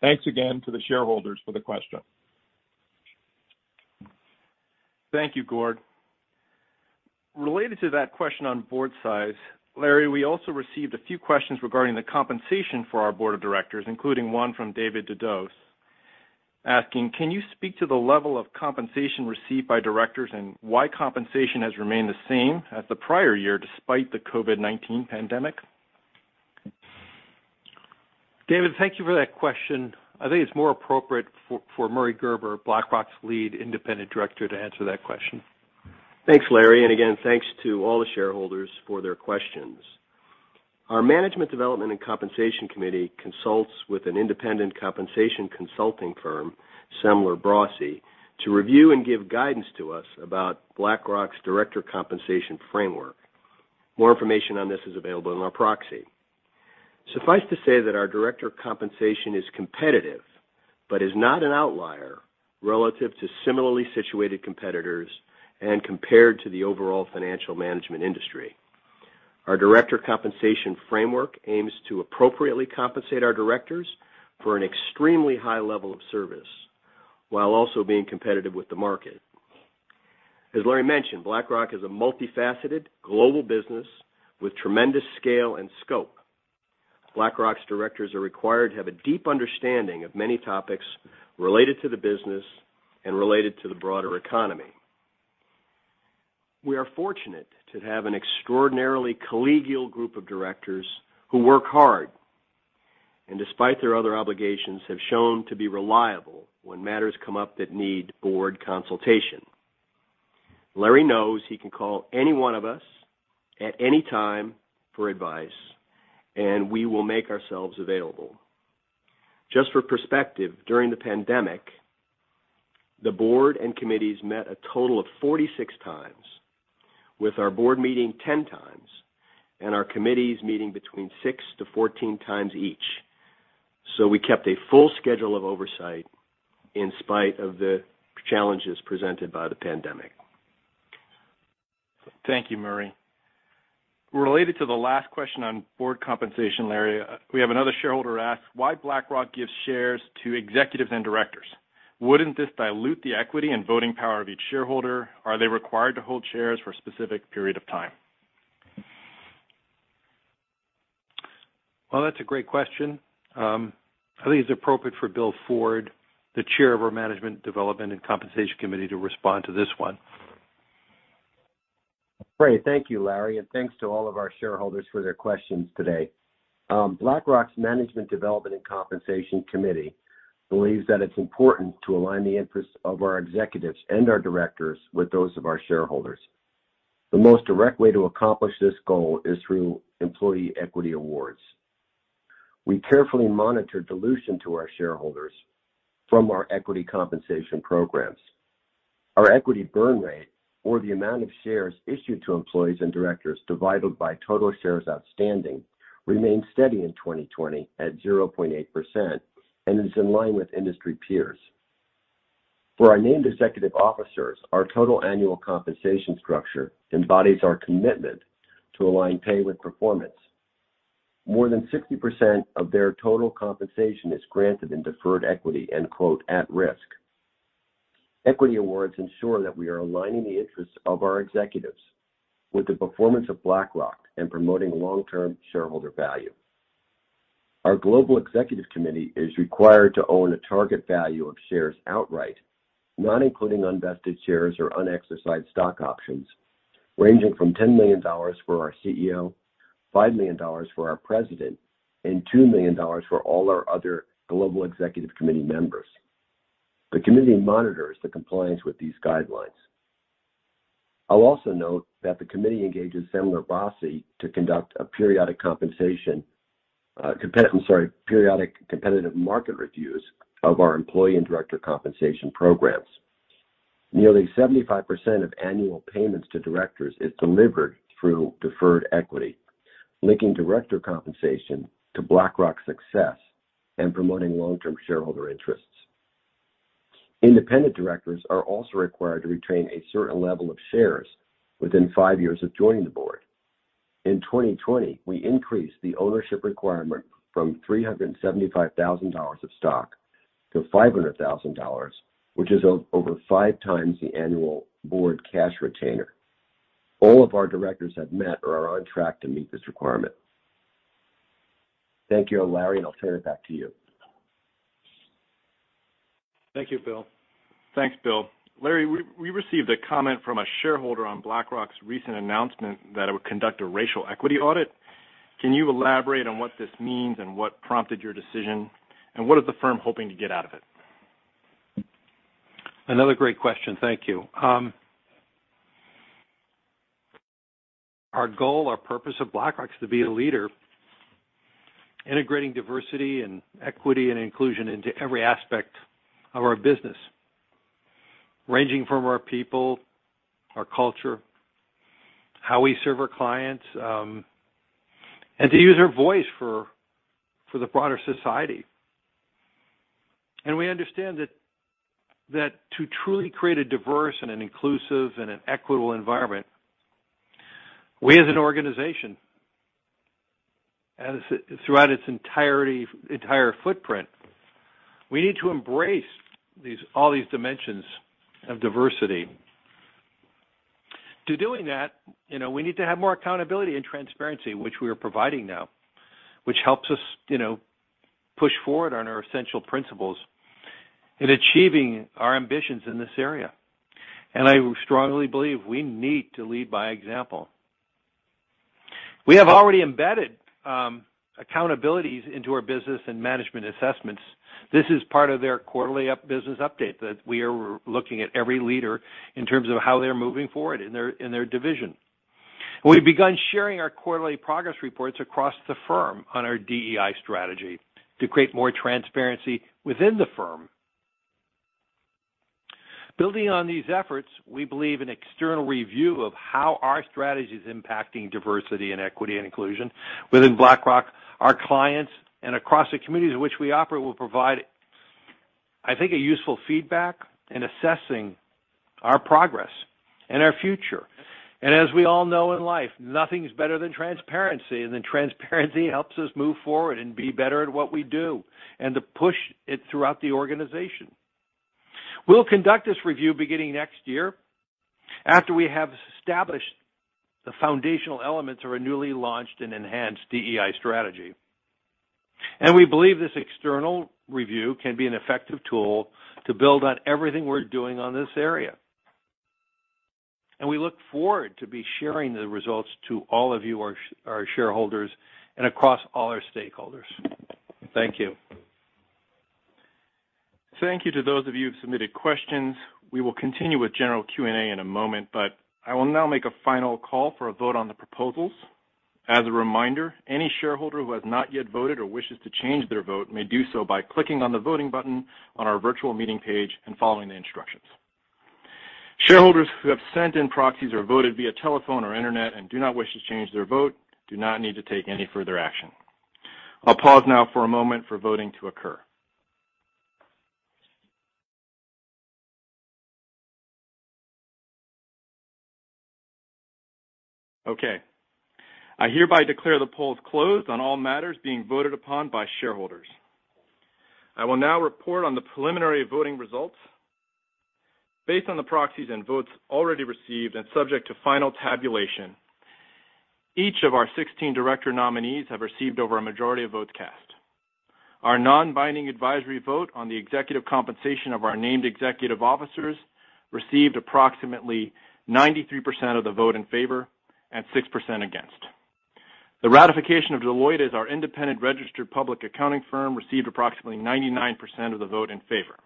Thanks again to the shareholders for the question. Thank you, Gord. Related to that question on board size, Larry, we also received a few questions regarding the compensation for our board of directors, including one from [David Dedos], asking, "Can you speak to the level of compensation received by directors and why compensation has remained the same as the prior year despite the COVID-19 pandemic?" David, thank you for that question. I think it's more appropriate for Murry Gerber, BlackRock's Lead Independent Director, to answer that question. Thanks, Larry, and again, thanks to all the shareholders for their questions. Our Management Development and Compensation Committee consults with an independent compensation consulting firm, Semler Brossy, to review and give guidance to us about BlackRock's director compensation framework. More information on this is available in our proxy. Suffice to say that our director compensation is competitive, but is not an outlier relative to similarly situated competitors and compared to the overall financial management industry. Our director compensation framework aims to appropriately compensate our directors for an extremely high level of service while also being competitive with the market. As Larry mentioned, BlackRock is a multifaceted global business with tremendous scale and scope. BlackRock's directors are required to have a deep understanding of many topics related to the business and related to the broader economy. We are fortunate to have an extraordinarily collegial group of directors who work hard, and despite their other obligations, have shown to be reliable when matters come up that need board consultation. Larry knows he can call any one of us at any time for advice, and we will make ourselves available. Just for perspective, during the pandemic, the board and committees met a total of 46 times, with our board meeting 10 times and our committees meeting between 6-14 times each. We kept a full schedule of oversight in spite of the challenges presented by the pandemic. Thank you, Murry. Related to the last question on board compensation, Larry, we have another shareholder ask why BlackRock gives shares to executives and directors. Wouldn't this dilute the equity and voting power of each shareholder? Are they required to hold shares for a specific period of time? Well, that's a great question. I think it's appropriate for Bill Ford, the Chair of our Management Development and Compensation Committee, to respond to this one. Great. Thank you, Larry, and thanks to all of our shareholders for their questions today. BlackRock's Management Development and Compensation Committee believes that it's important to align the interests of our executives and our directors with those of our shareholders. The most direct way to accomplish this goal is through employee equity awards. We carefully monitor dilution to our shareholders from our equity compensation programs. Our equity burn rate, or the amount of shares issued to employees and directors divided by total shares outstanding, remained steady in 2020 at 0.8% and is in line with industry peers. For our named executive officers, our total annual compensation structure embodies our commitment to align pay with performance. More than 60% of their total compensation is granted in deferred equity and quote, "At risk." Equity awards ensure that we are aligning the interests of our executives with the performance of BlackRock and promoting long-term shareholder value. Our Global Executive Committee is required to own a target value of shares outright, not including unvested shares or unexercised stock options, ranging from $10 million for our CEO, $5 million for our president, and $2 million for all our other Global Executive Committee members. The committee monitors the compliance with these guidelines. I'll also note that the committee engages Semler Brossy to conduct periodic competitive market reviews of our employee and director compensation programs. Nearly 75% of annual payments to directors is delivered through deferred equity, linking director compensation to BlackRock's success and promoting long-term shareholder interests. Independent directors are also required to retain a certain level of shares within five years of joining the board. In 2020, we increased the ownership requirement from $375,000 of stock to $500,000, which is over 5x the annual board cash retainer. All of our directors have met or are on track to meet this requirement. Thank you, Larry. I'll turn it back to you. Thank you, Bill. Thanks, Bill. Larry, we received a comment from a shareholder on BlackRock's recent announcement that it would conduct a racial equity audit. Can you elaborate on what this means and what prompted your decision, what is the firm hoping to get out of it? Another great question. Thank you. Our goal, our purpose at BlackRock is to be a leader, integrating diversity and equity and inclusion into every aspect of our business, ranging from our people, our culture, how we serve our clients, and to use our voice for the broader society. We understand that to truly create a diverse and an inclusive and an equitable environment, we as an organization, throughout its entire footprint, we need to embrace all these dimensions of diversity. To doing that, we need to have more accountability and transparency, which we are providing now, which helps us push forward on our essential principles in achieving our ambitions in this area. I strongly believe we need to lead by example. We have already embedded accountabilities into our business and management assessments. This is part of their quarterly business update that we are looking at every leader in terms of how they're moving forward in their division. We've begun sharing our quarterly progress reports across the firm on our DEI strategy to create more transparency within the firm. Building on these efforts, we believe an external review of how our strategy is impacting diversity and equity and inclusion within BlackRock, our clients, and across the communities in which we operate will provide, I think, a useful feedback in assessing our progress and our future. As we all know in life, nothing's better than transparency, and then transparency helps us move forward and be better at what we do, and to push it throughout the organization. We'll conduct this review beginning next year after we have established the foundational elements of our newly launched and enhanced DEI strategy. We believe this external review can be an effective tool to build on everything we're doing on this area. We look forward to be sharing the results to all of you, our shareholders, and across all our stakeholders. Thank you. Thank you to those of you who submitted questions. We will continue with general Q&A in a moment, but I will now make a final call for a vote on the proposals. As a reminder, any shareholder who has not yet voted or wishes to change their vote may do so by clicking on the voting button on our virtual meeting page and following the instructions. Shareholders who have sent in proxies or voted via telephone or internet and do not wish to change their vote do not need to take any further action. I'll pause now for a moment for voting to occur. Okay. I hereby declare the polls closed on all matters being voted upon by shareholders. I will now report on the preliminary voting results. Based on the proxies and votes already received and subject to final tabulation, each of our 16 director nominees have received over a majority of votes cast. Our non-binding advisory vote on the executive compensation of our named executive officers received approximately 93% of the vote in favor and 6% against. The ratification of Deloitte as our independent registered public accounting firm received approximately 99% of the vote in favor.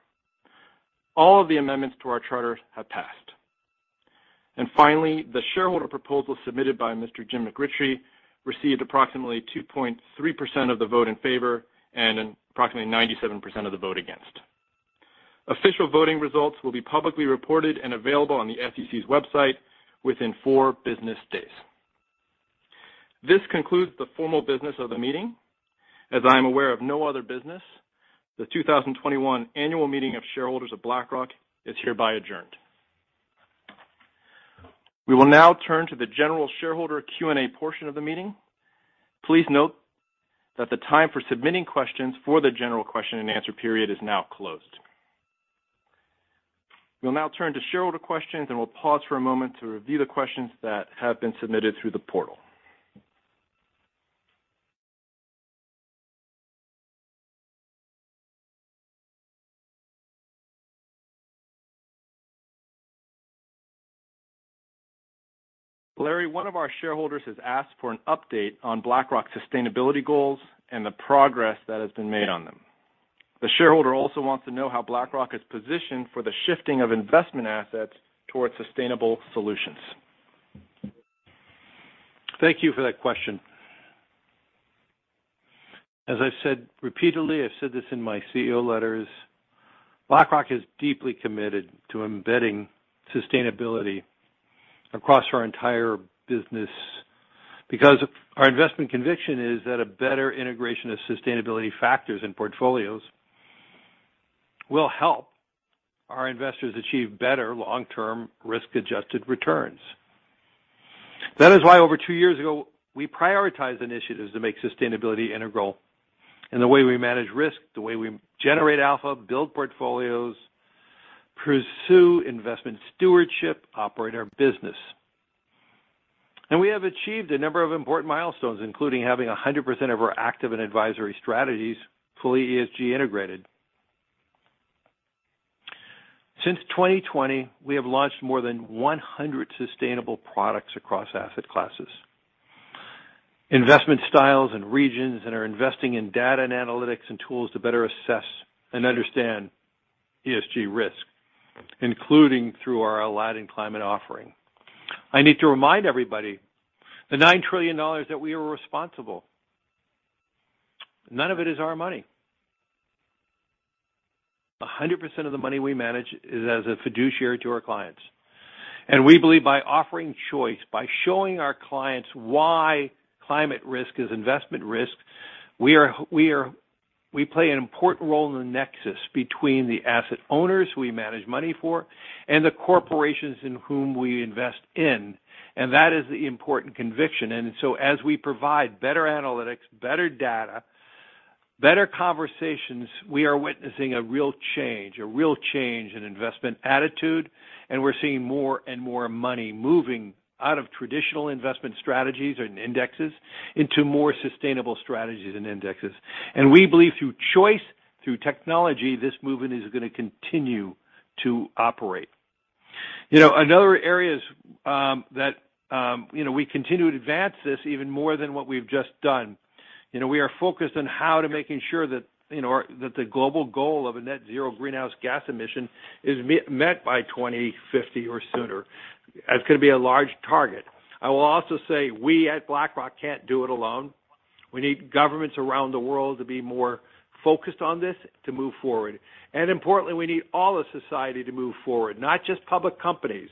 All of the amendments to our charter have passed. Finally, the shareholder proposal submitted by Mr. Jim McRitchie received approximately 2.3% of the vote in favor and approximately 97% of the vote against. Official voting results will be publicly reported and available on the SEC's website within four business days. This concludes the formal business of the meeting. As I'm aware of no other business, the 2021 annual meeting of shareholders of BlackRock is hereby adjourned. We will now turn to the general shareholder Q&A portion of the meeting. Please note that the time for submitting questions for the general question and answer period is now closed. We'll now turn to shareholder questions, and we'll pause for a moment to review the questions that have been submitted through the portal. Larry, one of our shareholders has asked for an update on BlackRock's sustainability goals and the progress that has been made on them. The shareholder also wants to know how BlackRock is positioned for the shifting of investment assets towards sustainable solutions. Thank you for that question. As I said repeatedly, I've said this in my CEO letters, BlackRock is deeply committed to embedding sustainability across our entire business because our investment conviction is that a better integration of sustainability factors in portfolios will help our investors achieve better long-term risk-adjusted returns. That is why over two years ago, we prioritized initiatives to make sustainability integral in the way we manage risk, the way we generate alpha, build portfolios, pursue investment stewardship, operate our business. We have achieved a number of important milestones, including having 100% of our active and advisory strategies fully ESG integrated. Since 2020, we have launched more than 100 sustainable products across asset classes, investment styles and regions and are investing in data and analytics and tools to better assess and understand ESG risk, including through our Aladdin Climate offering. I need to remind everybody, the $9 trillion that we are responsible, none of it is our money. 100% of the money we manage is as a fiduciary to our clients. We believe by offering choice, by showing our clients why climate risk is investment risk, we play an important role in the nexus between the asset owners we manage money for and the corporations in whom we invest in. That is the important conviction. As we provide better analytics, better data, better conversations, we are witnessing a real change in investment attitude, and we're seeing more and more money moving out of traditional investment strategies and indexes into more sustainable strategies and indexes. We believe through choice, through technology, this movement is going to continue to operate. Another area is that we continue to advance this even more than what we've just done. We are focused on how to making sure that the global goal of a net zero greenhouse gas emission is met by 2050 or sooner. That's going to be a large target. I will also say we at BlackRock can't do it alone, we need governments around the world to be more focused on this to move forward. Importantly, we need all of society to move forward, not just public companies.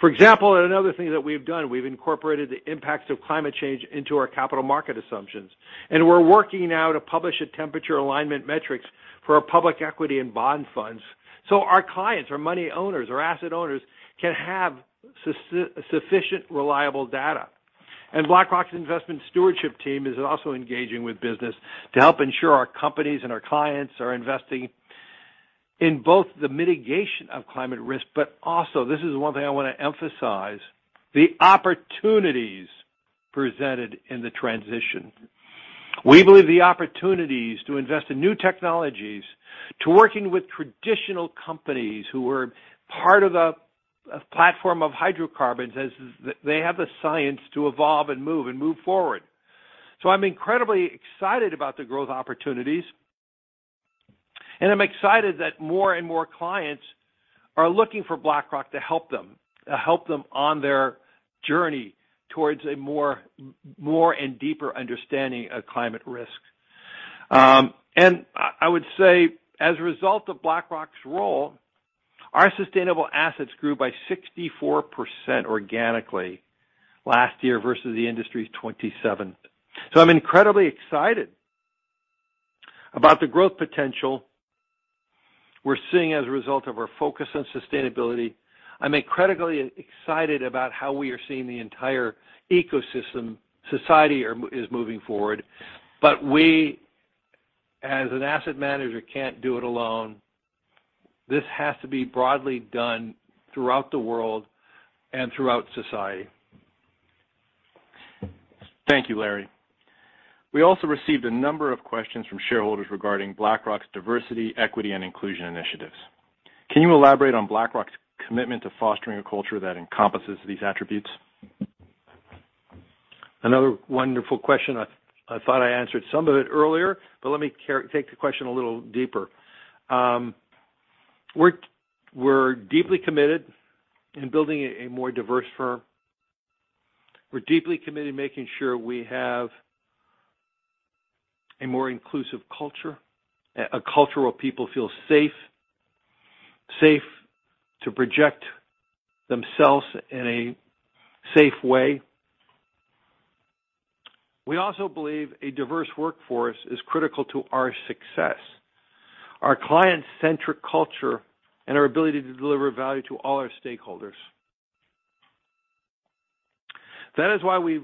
For example, another thing that we've done, we've incorporated the impacts of climate change into our capital market assumptions, and we're working now to publish a temperature alignment metrics for our public equity and bond funds so our clients, our money owners, our asset owners can have sufficient, reliable data. BlackRock's Investment Stewardship team is also engaging with business to help ensure our companies and our clients are investing in both the mitigation of climate risk, but also, this is one thing I want to emphasize, the opportunities presented in the transition. We believe the opportunities to invest in new technologies, to working with traditional companies who are part of the platform of hydrocarbons, as they have the science to evolve and move forward. I'm incredibly excited about the growth opportunities, and I'm excited that more and more clients are looking for BlackRock to help them and help them on their journey towards a more and deeper understanding of climate risk. I would say, as a result of BlackRock's role, our sustainable assets grew by 64% organically last year versus the industry's 27%. I'm incredibly excited about the growth potential we're seeing as a result of our focus on sustainability. I'm incredibly excited about how we are seeing the entire ecosystem, society is moving forward. We, as an asset manager, can't do it alone. This has to be broadly done throughout the world and throughout society. Thank you, Larry. We also received a number of questions from shareholders regarding BlackRock's diversity, equity, and inclusion initiatives. Can you elaborate on BlackRock's commitment to fostering a culture that encompasses these attributes? Another wonderful question. I thought I answered some of it earlier, but let me take the question a little deeper. We're deeply committed in building a more diverse firm. We're deeply committed to making sure we have a more inclusive culture, a culture where people feel safe to project themselves in a safe way. We also believe a diverse workforce is critical to our success, our client-centric culture, and our ability to deliver value to all our stakeholders. That is why we've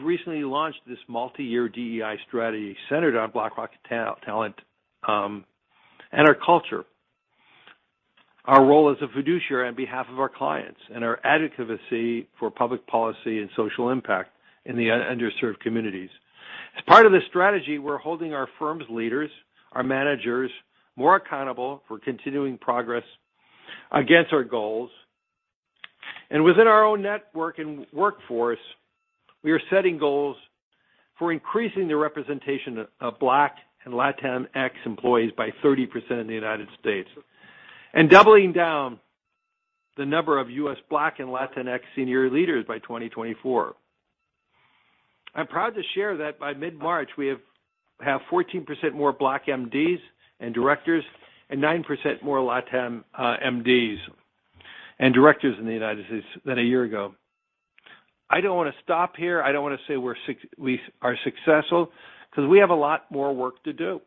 recently launched this multi-year DEI strategy centered on BlackRock talent and our culture, our role as a fiduciary on behalf of our clients, and our advocacy for public policy and social impact in the underserved communities. As part of the strategy, we're holding our firms' leaders, our managers, more accountable for continuing progress against our goals. Within our own network and workforce, we are setting goals for increasing the representation of Black and Latinx employees by 30% in the United States and doubling down the number of U.S. Black and Latinx senior leaders by 2024. I'm proud to share that by mid-March, we have 14% more Black MDs and directors and 9% more Latin MDs and directors in the United States than a year ago. I don't want to stop here, I don't want to say we are successful because we have a lot more work to do,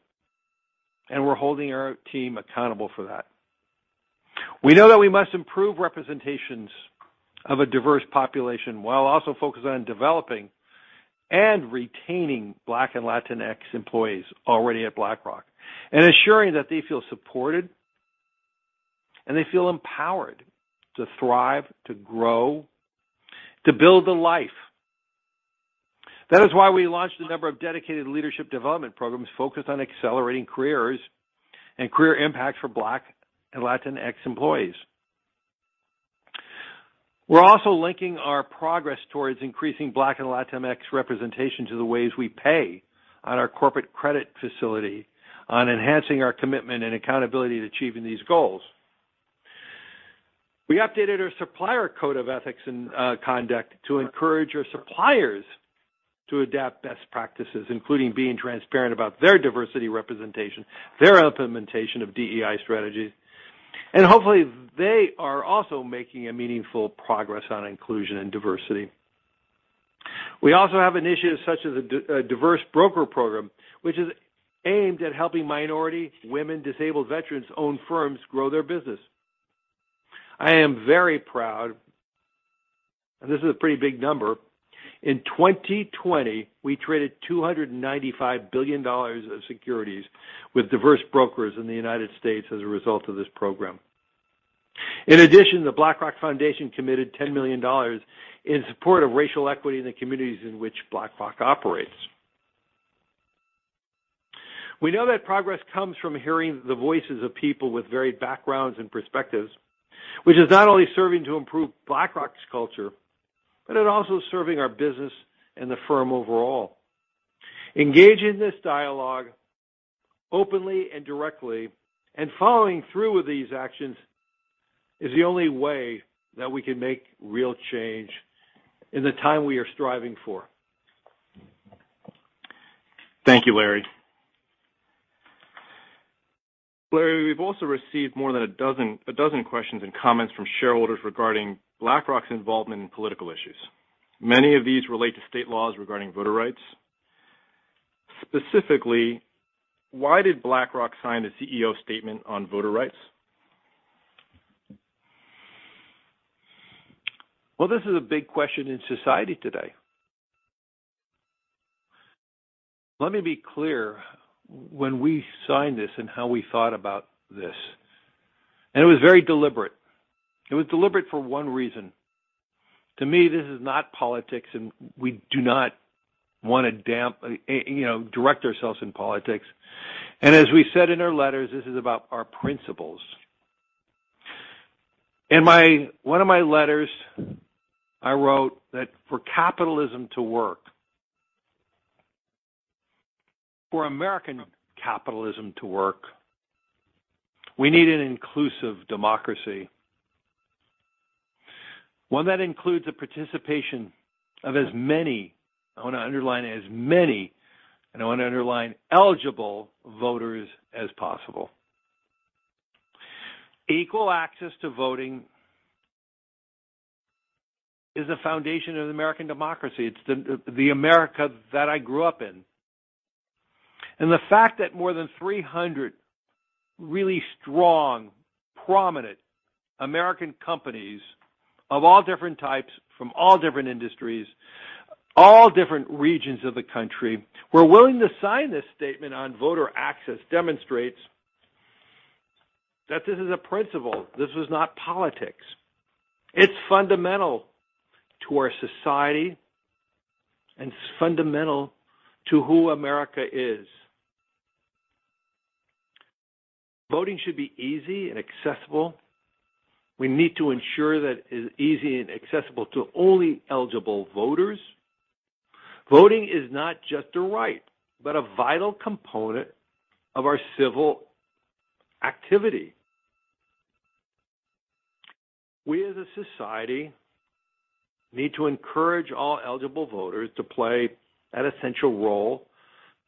and we're holding our team accountable for that. We know that we must improve representations of a diverse population while also focusing on developing and retaining Black and Latinx employees already at BlackRock and ensuring that they feel supported and they feel empowered to thrive, to grow, to build a life. That is why we launched a number of dedicated leadership development programs focused on accelerating careers and career impact for Black and Latinx employees. We're also linking our progress towards increasing Black and Latinx representation to the ways we pay on our corporate credit facility, on enhancing our commitment and accountability to achieving these goals. We updated our supplier code of ethics and conduct to encourage our suppliers to adapt best practices, including being transparent about their diversity representation, their implementation of DEI strategies, and hopefully they are also making a meaningful progress on inclusion and diversity. We also have initiatives such as a diverse broker program, which is aimed at helping minority women, disabled veterans, owned firms grow their business. I am very proud, and this is a pretty big number, in 2020, we traded $295 billion of securities with diverse brokers in the United States as a result of this program. In addition, the BlackRock Foundation committed $10 million in support of racial equity in the communities in which BlackRock operates. We know that progress comes from hearing the voices of people with varied backgrounds and perspectives, which is not only serving to improve BlackRock's culture, but it also serving our business and the firm overall. Engaging this dialogue openly and directly and following through with these actions is the only way that we can make real change in the time we are striving for. Thank you, Larry. Larry, we've also received more than a dozen questions and comments from shareholders regarding BlackRock's involvement in political issues. Many of these relate to state laws regarding voter rights. Specifically, why did BlackRock sign a CEO statement on voter rights? Well, this is a big question in society today. Let me be clear, when we signed this and how we thought about this, it was very deliberate. It was deliberate for one reason. To me, this is not politics, we do not want to direct ourselves in politics, as we said in our letters, this is about our principles. In one of my letters, I wrote that for capitalism to work, for American capitalism to work, we need an inclusive democracy, one that includes the participation of as many, I want to underline as many, I want to underline eligible voters as possible. Equal access to voting is the foundation of American democracy. It's the America that I grew up in. The fact that more than 300 really strong, prominent American companies of all different types from all different industries, all different regions of the country, were willing to sign this statement on voter access demonstrates that this is a principle. This is not politics, it's fundamental to our society and it's fundamental to who America is. Voting should be easy and accessible. We need to ensure that it's easy and accessible to only eligible voters. Voting is not just a right, but a vital component of our civil activity. We as a society need to encourage all eligible voters to play that essential role,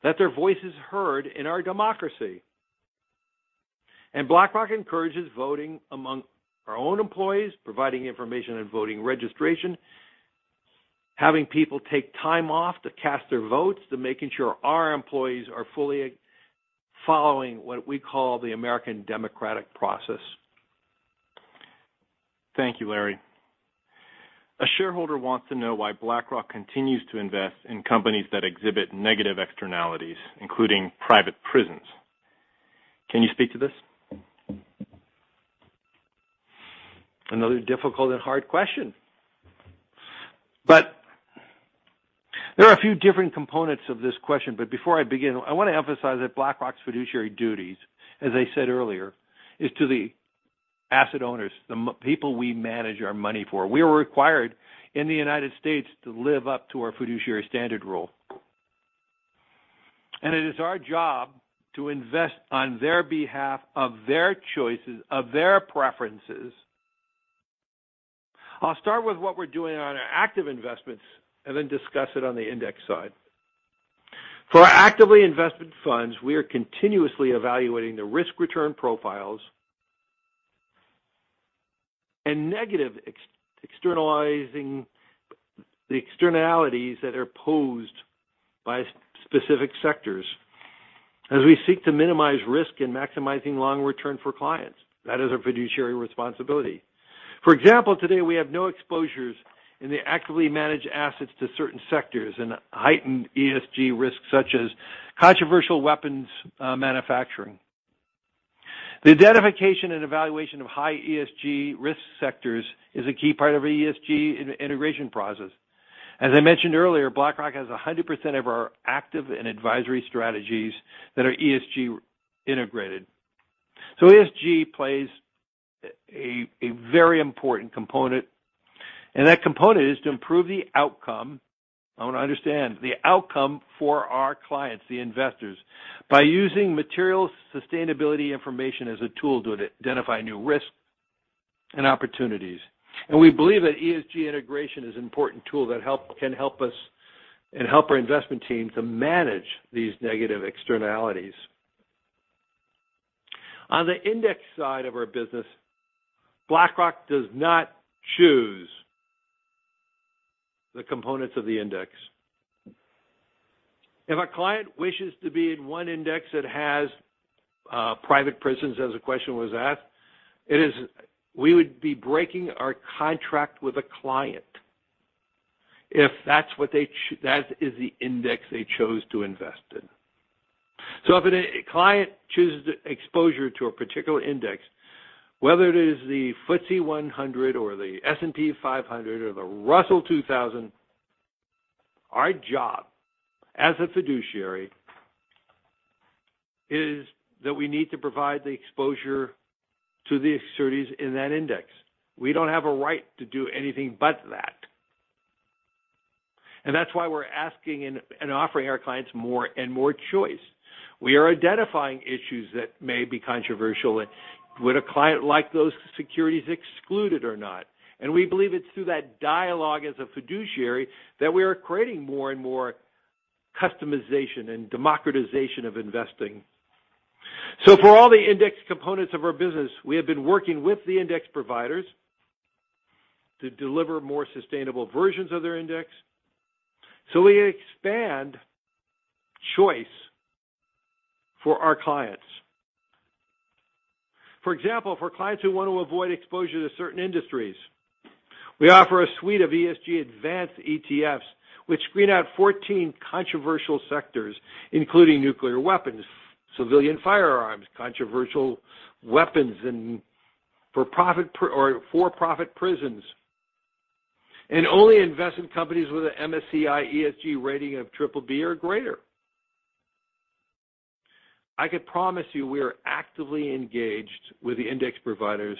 that their voice is heard in our democracy. BlackRock encourages voting among our own employees, providing information on voting registration, having people take time off to cast their votes, to making sure our employees are fully following what we call the American democratic process. Thank you, Larry. A shareholder wants to know why BlackRock continues to invest in companies that exhibit negative externalities, including private prisons. Can you speak to this? Another difficult and hard question. There are a few different components of this question, but before I begin, I want to emphasize that BlackRock's fiduciary duties, as I said earlier, is to the asset owners, the people we manage our money for. We are required in the United States to live up to our fiduciary standard role. It is our job to invest on their behalf of their choices, of their preferences. I'll start with what we're doing on our active investments and then discuss it on the index side. For our actively invested funds, we are continuously evaluating the risk return profiles and negative externalizing the externalities that are posed by specific sectors as we seek to minimize risk and maximizing long return for clients. That is our fiduciary responsibility. For example, today we have no exposures in the actively managed assets to certain sectors and heightened ESG risks such as controversial weapons manufacturing. The identification and evaluation of high ESG risk sectors is a key part of ESG integration process. As I mentioned earlier, BlackRock has 100% of our active and advisory strategies that are ESG integrated. ESG plays a very important component, and that component is to improve the outcome. I want to understand the outcome for our clients, the investors, by using material sustainability information as a tool to identify new risks and opportunities. We believe that ESG integration is an important tool that can help us and help our investment team to manage these negative externalities. On the index side of our business, BlackRock does not choose the components of the index. If a client wishes to be in one index that has private prisons, as the question was asked, we would be breaking our contract with a client if that is the index they chose to invest in. If a client chooses exposure to a particular index, whether it is the FTSE 100 or the S&P 500 or the Russell 2000. Our job as a fiduciary is that we need to provide the exposure to the securities in that index, we don't have a right to do anything but that. That's why we're asking and offering our clients more and more choice. We are identifying issues that may be controversial and would a client like those securities excluded or not. We believe it's through that dialogue as a fiduciary that we are creating more and more customization and democratization of investing. For all the index components of our business, we have been working with the index providers to deliver more sustainable versions of their index so we expand choice for our clients. For example, for clients who want to avoid exposure to certain industries, we offer a suite of ESG advanced ETFs, which screen out 14 controversial sectors, including nuclear weapons, civilian firearms, controversial weapons, and for-profit prisons, and only invest in companies with an MSCI ESG rating of triple B or greater. I can promise you we are actively engaged with the index providers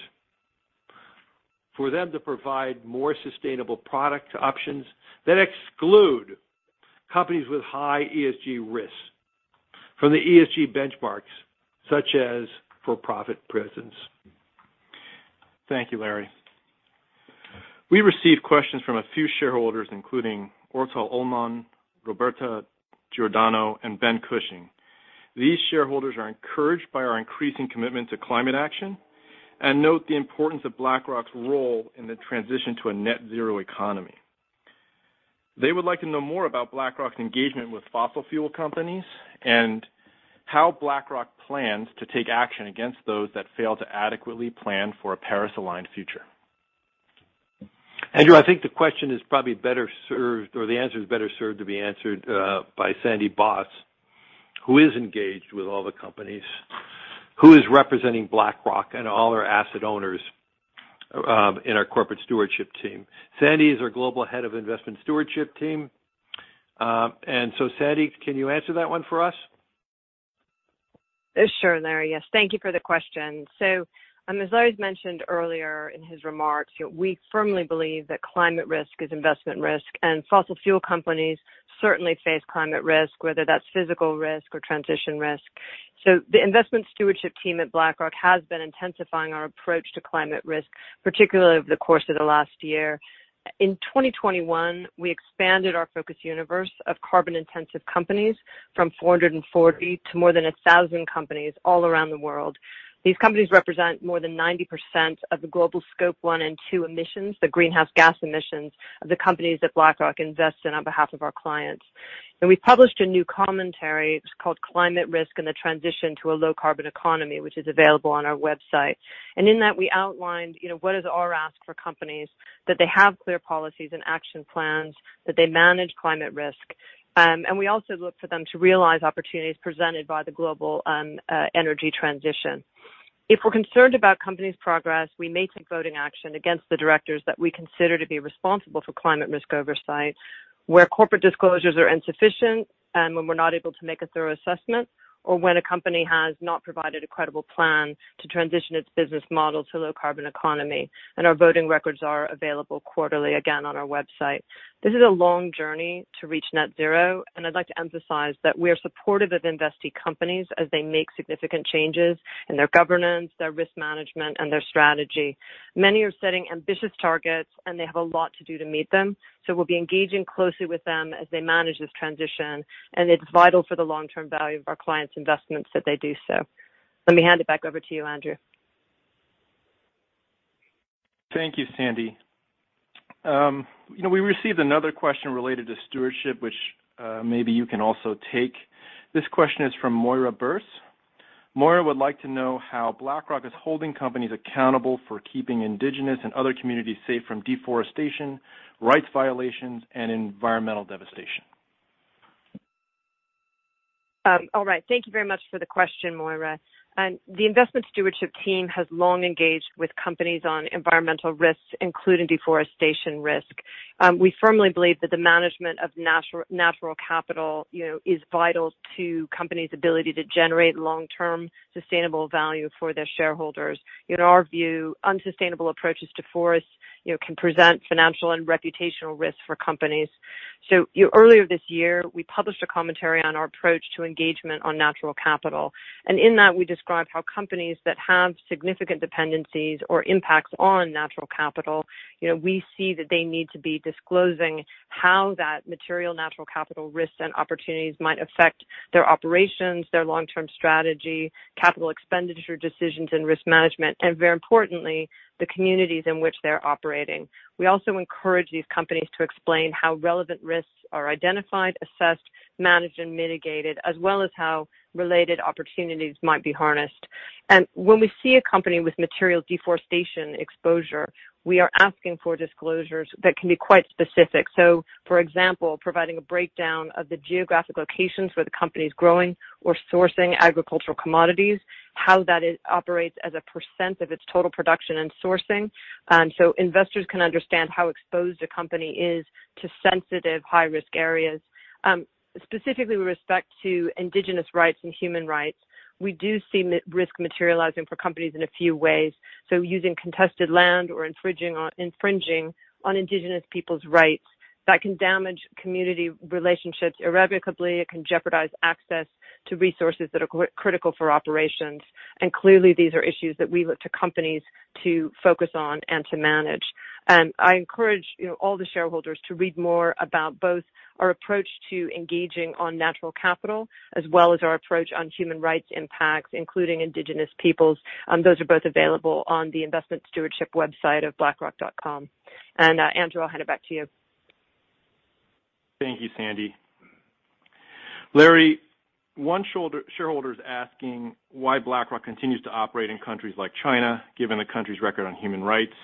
for them to provide more sustainable product options that exclude companies with high ESG risks from the ESG benchmarks, such as for-profit prisons. Thank you, Larry. We received questions from a few shareholders, including [Ortho Oman], Roberta Giordano, and Ben Cushing. These shareholders are encouraged by our increasing commitment to climate action and note the importance of BlackRock's role in the transition to a net zero economy. They would like to know more about BlackRock's engagement with fossil fuel companies and how BlackRock plans to take action against those that fail to adequately plan for a Paris-aligned future. Andrew Dickson, I think the question is probably better served, or the answer is better served to be answered by Sandy Boss, who is engaged with all the companies, who is representing BlackRock and all our asset owners in our corporate stewardship team. Sandy is our Global Head of Investment Stewardship team. Sandy, can you answer that one for us? Sure, Larry. Yes, thank you for the question. As I mentioned earlier in his remarks, we firmly believe that climate risk is investment risk, and fossil fuel companies certainly face climate risk, whether that's physical risk or transition risk. The investment stewardship team at BlackRock has been intensifying our approach to climate risk, particularly over the course of the last year. In 2021, we expanded our focus universe of carbon-intensive companies from 440 to more than 1,000 companies all around the world. These companies represent more than 90% of the global Scope 1 and 2 emissions, the greenhouse gas emissions of the companies that BlackRock invests in on behalf of our clients. We published a new commentary, it's called "Climate Risk and the Transition to a Low Carbon Economy," which is available on our website. In that, we outlined what is our ask for companies, that they have clear policies and action plans, that they manage climate risk. We also look for them to realize opportunities presented by the global energy transition. If we're concerned about companies' progress, we may take voting action against the directors that we consider to be responsible for climate risk oversight, where corporate disclosures are insufficient and when we're not able to make a thorough assessment, or when a company has not provided a credible plan to transition its business model to a low-carbon economy. Our voting records are available quarterly again on our website. This is a long journey to reach net zero, and I'd like to emphasize that we are supportive of investee companies as they make significant changes in their governance, their risk management, and their strategy. Many are setting ambitious targets, and they have a lot to do to meet them, so we'll be engaging closely with them as they manage this transition, and it's vital for the long-term value of our clients' investments that they do so. Let me hand it back over to you, Andrew. Thank you, Sandy. We received another question related to stewardship, which maybe you can also take. This question is from Moira Birss. Moira would like to know how BlackRock is holding companies accountable for keeping indigenous and other communities safe from deforestation, rights violations, and environmental devastation. All right. Thank you very much for the question, Moira. The investment stewardship team has long engaged with companies on environmental risks, including deforestation risk. We firmly believe that the management of natural capital is vital to companies' ability to generate long-term sustainable value for their shareholders. In our view, unsustainable approaches to forests can present financial and reputational risks for companies. Earlier this year, we published a commentary on our approach to engagement on natural capital, and in that we described how companies that have significant dependencies or impacts on natural capital, we see that they need to be disclosing how that material natural capital risk and opportunities might affect their operations, their long-term strategy, capital expenditure decisions and risk management, and very importantly, the communities in which they're operating. We also encourage these companies to explain how relevant risks are identified, assessed, managed, and mitigated, as well as how related opportunities might be harnessed. When we see a company with material deforestation exposure, we are asking for disclosures that can be quite specific. For example, providing a breakdown of the geographic locations where the company's growing or sourcing agricultural commodities, how that operates as a % of its total production and sourcing, so investors can understand how exposed a company is to sensitive high-risk areas. Specifically with respect to indigenous rights and human rights, we do see risk materializing for companies in a few ways. Using contested land or infringing on indigenous people's rights that can damage community relationships irrevocably. It can jeopardize access to resources that are critical for operations. Clearly, these are issues that we look to companies to focus on and to manage. I encourage all the shareholders to read more about both our approach to engaging on natural capital as well as our approach on human rights impacts, including indigenous peoples. Those are both available on the investment stewardship website of blackrock.com. Andrew, I'll hand it back to you. Thank you, Sandy. Larry, one shareholder's asking why BlackRock continues to operate in countries like China, given the country's record on human rights.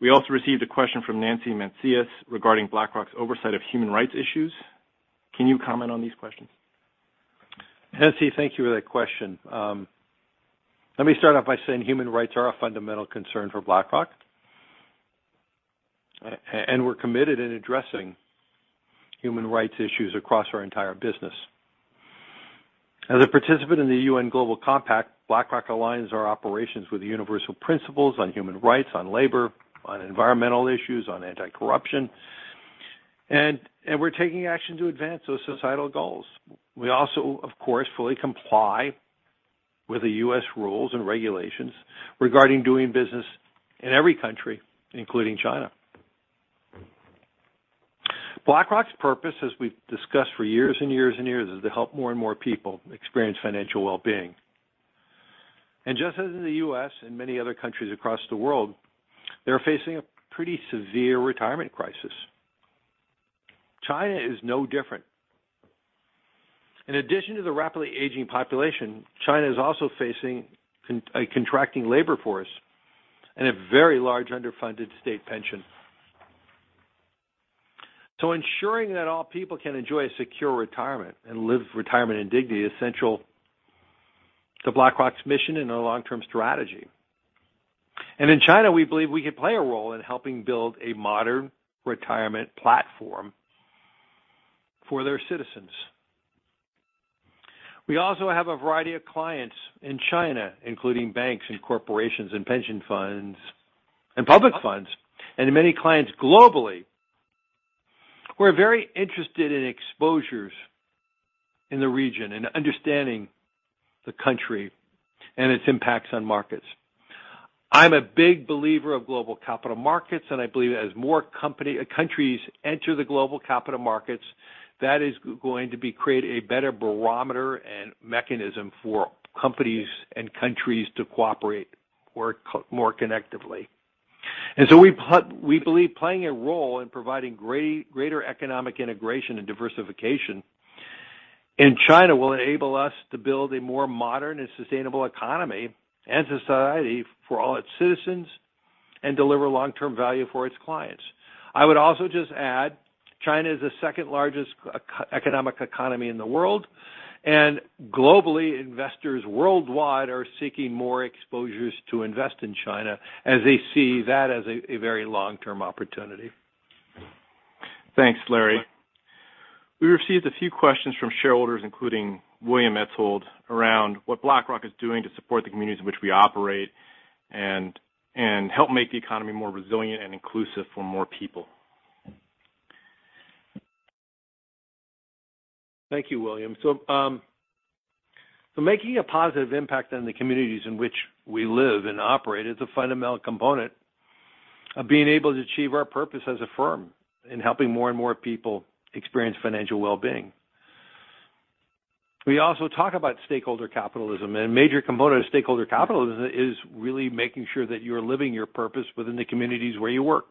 We also received a question from Nancy Mancias regarding BlackRock's oversight of human rights issues. Can you comment on these questions? Nancy, thank you for that question. Let me start off by saying human rights are a fundamental concern for BlackRock, and we're committed in addressing human rights issues across our entire business. As a participant in the UN Global Compact, BlackRock aligns our operations with universal principles on human rights, on labor, on environmental issues, on anti-corruption, and we're taking action to advance those societal goals. We also, of course, fully comply with the U.S. rules and regulations regarding doing business in every country, including China. BlackRock's purpose, as we've discussed for years and years and years, is to help more and more people experience financial well-being. Just as in the U.S. and many other countries across the world, they're facing a pretty severe retirement crisis. China is no different. In addition to the rapidly aging population, China is also facing a contracting labor force and a very large underfunded state pension. Ensuring that all people can enjoy a secure retirement and live retirement in dignity is essential to BlackRock's mission and our long-term strategy. In China, we believe we can play a role in helping build a modern retirement platform for their citizens. We also have a variety of clients in China, including banks and corporations and pension funds and public funds, and many clients globally who are very interested in exposures in the region and understanding the country and its impacts on markets. I'm a big believer of global capital markets, and I believe as more countries enter the global capital markets, that is going to create a better barometer and mechanism for companies and countries to cooperate more connectively. We believe playing a role in providing greater economic integration and diversification in China will enable us to build a more modern and sustainable economy and society for all its citizens and deliver long-term value for its clients. I would also just add, China is the second largest economic economy in the world. Globally, investors worldwide are seeking more exposures to invest in China as they see that as a very long-term opportunity. Thanks, Larry. We received a few questions from shareholders, including [William Athold], around what BlackRock is doing to support the communities in which we operate and help make the economy more resilient and inclusive for more people. Thank you, William. Making a positive impact on the communities in which we live and operate is a fundamental component of being able to achieve our purpose as a firm in helping more and more people experience financial well-being. We also talk about stakeholder capitalism, and a major component of stakeholder capitalism is really making sure that you're living your purpose within the communities where you work.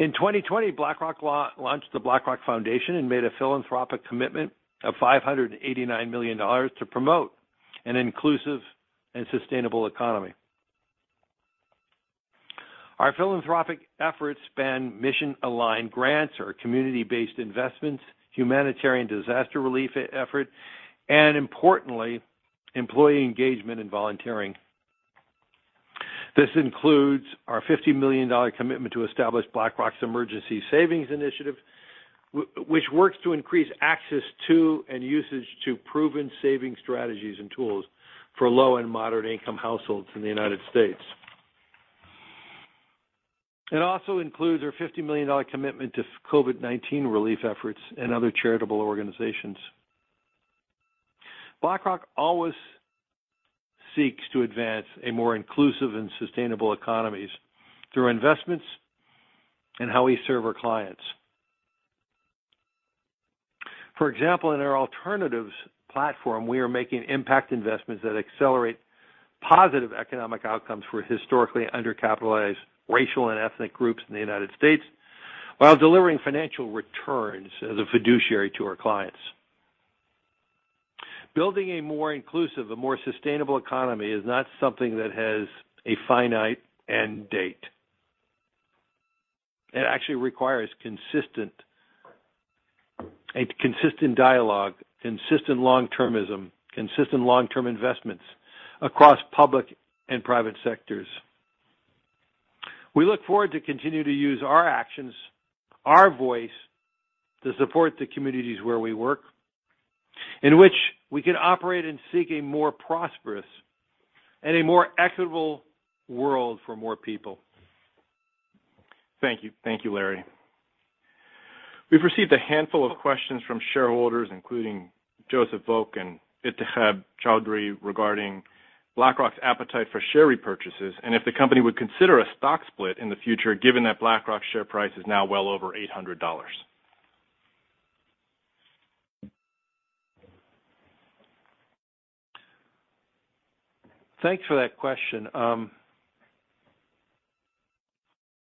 In 2020, BlackRock launched the BlackRock Foundation and made a philanthropic commitment of $589 million to promote an inclusive and sustainable economy. Our philanthropic efforts span mission-aligned grants or community-based investments, humanitarian disaster relief efforts, and importantly, employee engagement and volunteering. This includes our $50 million commitment to establish BlackRock's Emergency Savings Initiative, which works to increase access to and usage to proven saving strategies and tools for low and moderate income households in the United States. It also includes our $50 million commitment to COVID-19 relief efforts and other charitable organizations. BlackRock always seeks to advance a more inclusive and sustainable economy through investments and how we serve our clients. For example, in our alternatives platform, we are making impact investments that accelerate positive economic outcomes for historically under-capitalized racial and ethnic groups in the United States while delivering financial returns as a fiduciary to our clients. Building a more inclusive, a more sustainable economy is not something that has a finite end date. It actually requires consistent dialogue, consistent long-termism, consistent long-term investments across public and private sectors. We look forward to continue to use our actions, our voice, to support the communities where we work, in which we can operate in seeking more prosperous and a more equitable world for more people. Thank you. Thank you, Larry. We've received a handful of questions from shareholders, including [Joseph Vulcan, Etehab Chaudhary], regarding BlackRock's appetite for share repurchases, and if the company would consider a stock split in the future, given that BlackRock's share price is now well over $800. Thanks for that question.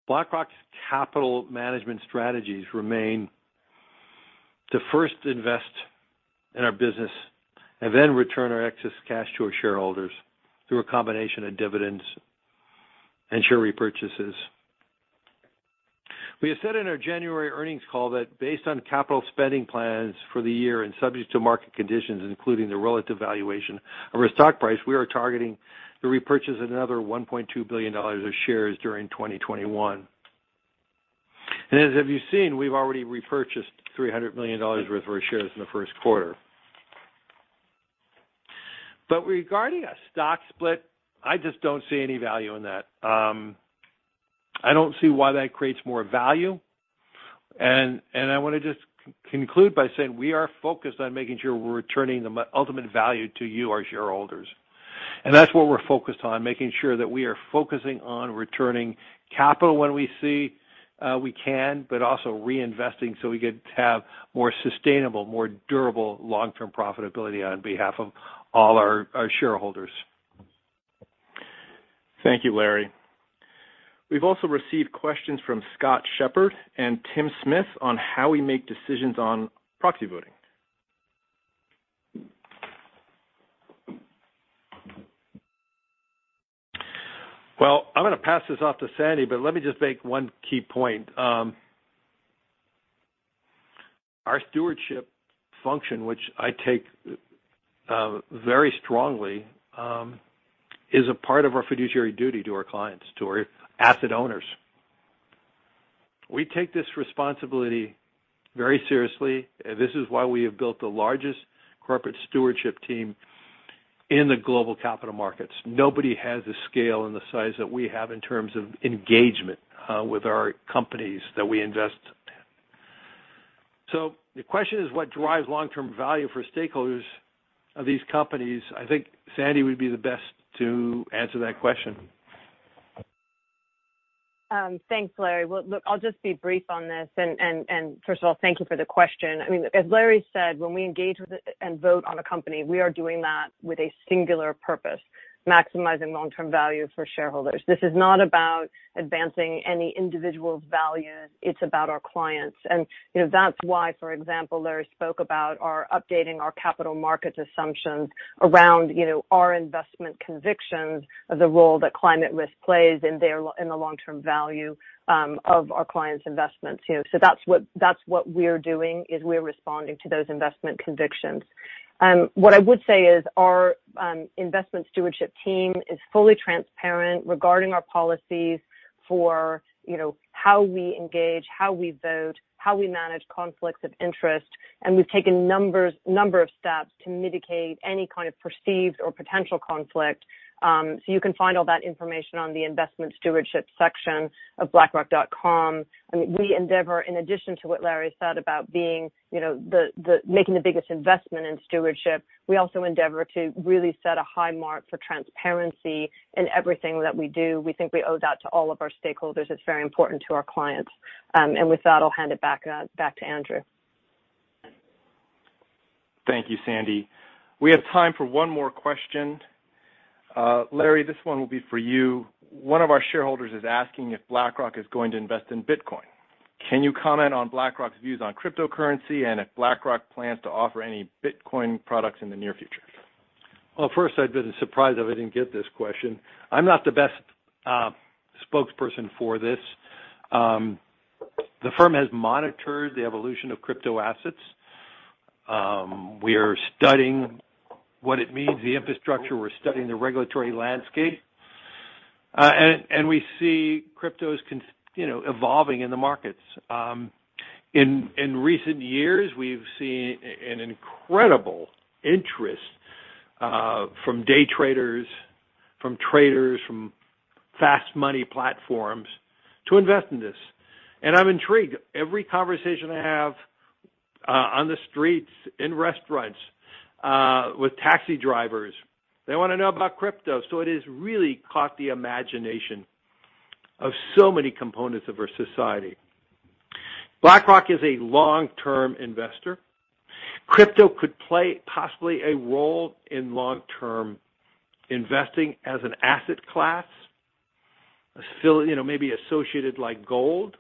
BlackRock's capital management strategies remain to first invest in our business and then return our excess cash to our shareholders through a combination of dividends and share repurchases. We said in our January earnings call that based on capital spending plans for the year and subject to market conditions, including the relative valuation of our stock price, we are targeting to repurchase another $1.2 billion of shares during 2021. As have you seen, we've already repurchased $300 million worth of our shares in the first quarter. Regarding a stock split, I just don't see any value in that. I don't see why that creates more value. I want to just conclude by saying we are focused on making sure we're returning the ultimate value to you, our shareholders. That's what we're focused on, making sure that we are focusing on returning capital when we see we can, but also reinvesting so we get to have more sustainable, more durable long-term profitability on behalf of all our shareholders. Thank you, Larry. We've also received questions from Scott Shepard and Tim Smith on how we make decisions on proxy voting. Well, I'm going to pass this off to Sandy. Let me just make one key point. Our stewardship function, which I take very strongly, is a part of our fiduciary duty to our clients, to our asset owners. We take this responsibility very seriously. This is why we have built the largest corporate stewardship team in the global capital markets. Nobody has the scale and the size that we have in terms of engagement with our companies that we invest in. The question is, what drives long-term value for stakeholders of these companies? I think Sandy would be the best to answer that question. Thanks, Larry. I'll just be brief on this. First of all, thank you for the question. As Larry said, when we engage with and vote on a company, we are doing that with a singular purpose, maximizing long-term value for shareholders. This is not about advancing any individual values, it's about our clients. That's why, for example, Larry spoke about our updating our capital markets assumptions around our investment convictions as a role that climate risk plays in the long-term value of our clients' investments. That's what we're doing, is we're responding to those investment convictions. What I would say is our investment stewardship team is fully transparent regarding our policies for how we engage, how we vote, how we manage conflicts of interest, and we've taken a number of steps to mitigate any kind of perceived or potential conflict. You can find all that information on the Investment Stewardship section of blackrock.com. We endeavor, in addition to what Larry said about making the biggest investment in stewardship, we also endeavor to really set a high mark for transparency in everything that we do. We think we owe that to all of our stakeholders, it's very important to our clients. With that, I'll hand it back to Andrew. Thank you, Sandy. We have time for one more question. Larry, this one will be for you. One of our shareholders is asking if BlackRock is going to invest in Bitcoin. Can you comment on BlackRock's views on cryptocurrency and if BlackRock plans to offer any Bitcoin products in the near future? Well, first, I'd be surprised if I didn't get this question. I'm not the best spokesperson for this. The firm has monitored the evolution of crypto assets. We are studying what it means, the infrastructure, we're studying the regulatory landscape, we see cryptos evolving in the markets. In recent years, we've seen an incredible interest from day traders, from traders, from fast money platforms to invest in this, and I'm intrigued. Every conversation I have on the streets, in restaurants, with taxi drivers, they want to know about crypto. It has really caught the imagination of so many components of our society. BlackRock is a long-term investor. Crypto could play possibly a role in long-term investing as an asset class, maybe associated like gold.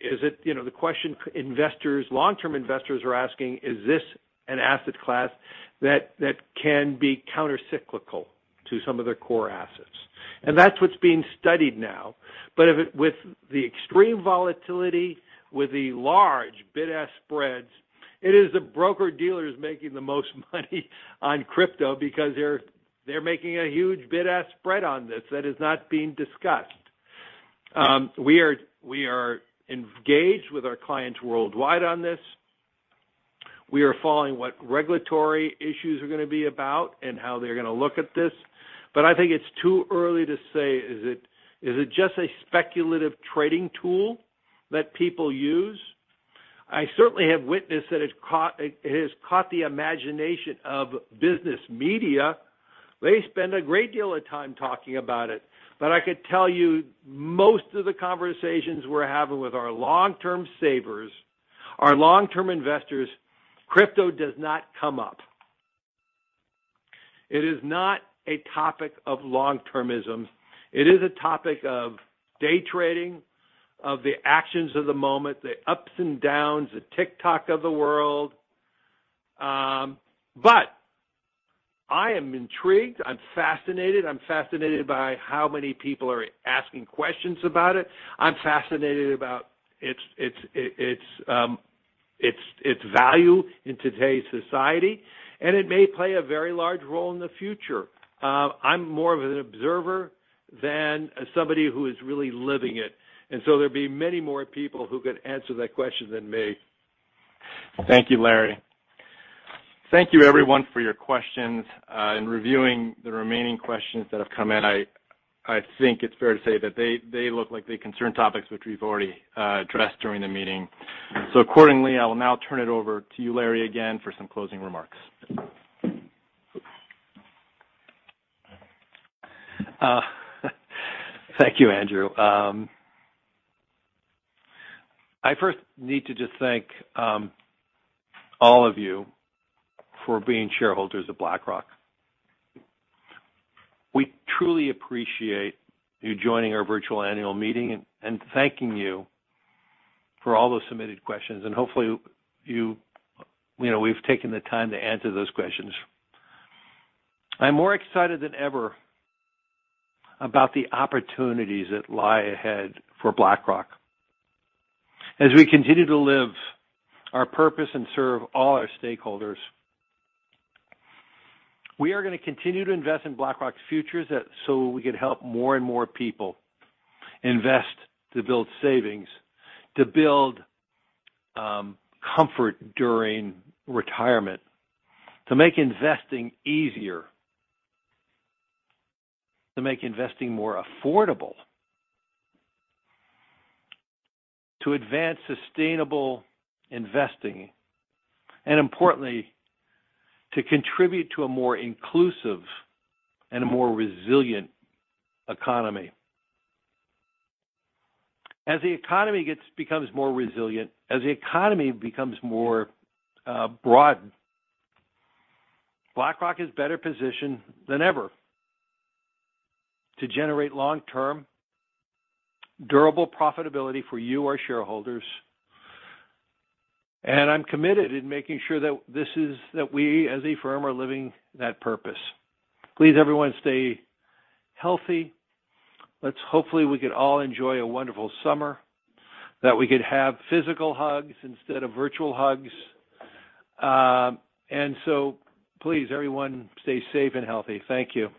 The question long-term investors are asking, is this an asset class that can be counter-cyclical to some of their core assets? That's what's being studied now. With the extreme volatility, with the large bid-ask spreads, it is the broker-dealer who's making the most money on crypto because they're making a huge bid-ask spread on this that is not being discussed. We are engaged with our clients worldwide on this, we are following what regulatory issues are going to be about and how they're going to look at this. I think it's too early to say, is it just a speculative trading tool that people use? I certainly have witnessed that it has caught the imagination of business media. They spend a great deal of time talking about it. I could tell you, most of the conversations we're having with our long-term savers, our long-term investors, crypto does not come up. It is not a topic of long-termism. It is a topic of day trading, of the actions of the moment, the ups and downs, the TikTok of the world. I am intrigued, I'm fascinated. I'm fascinated by how many people are asking questions about it, I'm fascinated about its value in today's society, and it may play a very large role in the future. I'm more of an observer than somebody who is really living it, there'd be many more people who could answer that question than me. Thank you, Larry. Thank you, everyone, for your questions. In reviewing the remaining questions that have come in, I think it's fair to say that they look like they concern topics which we've already addressed during the meeting. Accordingly, I'll now turn it over to you, Larry, again for some closing remarks. Thank you, Andrew. I first need to just thank all of you for being shareholders of BlackRock. We truly appreciate you joining our virtual annual meeting and thanking you for all the submitted questions, and hopefully we've taken the time to answer those questions. I'm more excited than ever about the opportunities that lie ahead for BlackRock. As we continue to live our purpose and serve all our stakeholders, we are going to continue to invest in BlackRock's future so we can help more and more people invest to build savings, to build comfort during retirement, to make investing easier, to make investing more affordable, to advance sustainable investing, and importantly, to contribute to a more inclusive and a more resilient economy. As the economy becomes more resilient, as the economy becomes more broad, BlackRock is better positioned than ever to generate long-term, durable profitability for you, our shareholders, and I'm committed in making sure that we as a firm are living that purpose. Please, everyone, stay healthy. Hopefully, we can all enjoy a wonderful summer, that we can have physical hugs instead of virtual hugs. Please, everyone, stay safe and healthy. Thank you.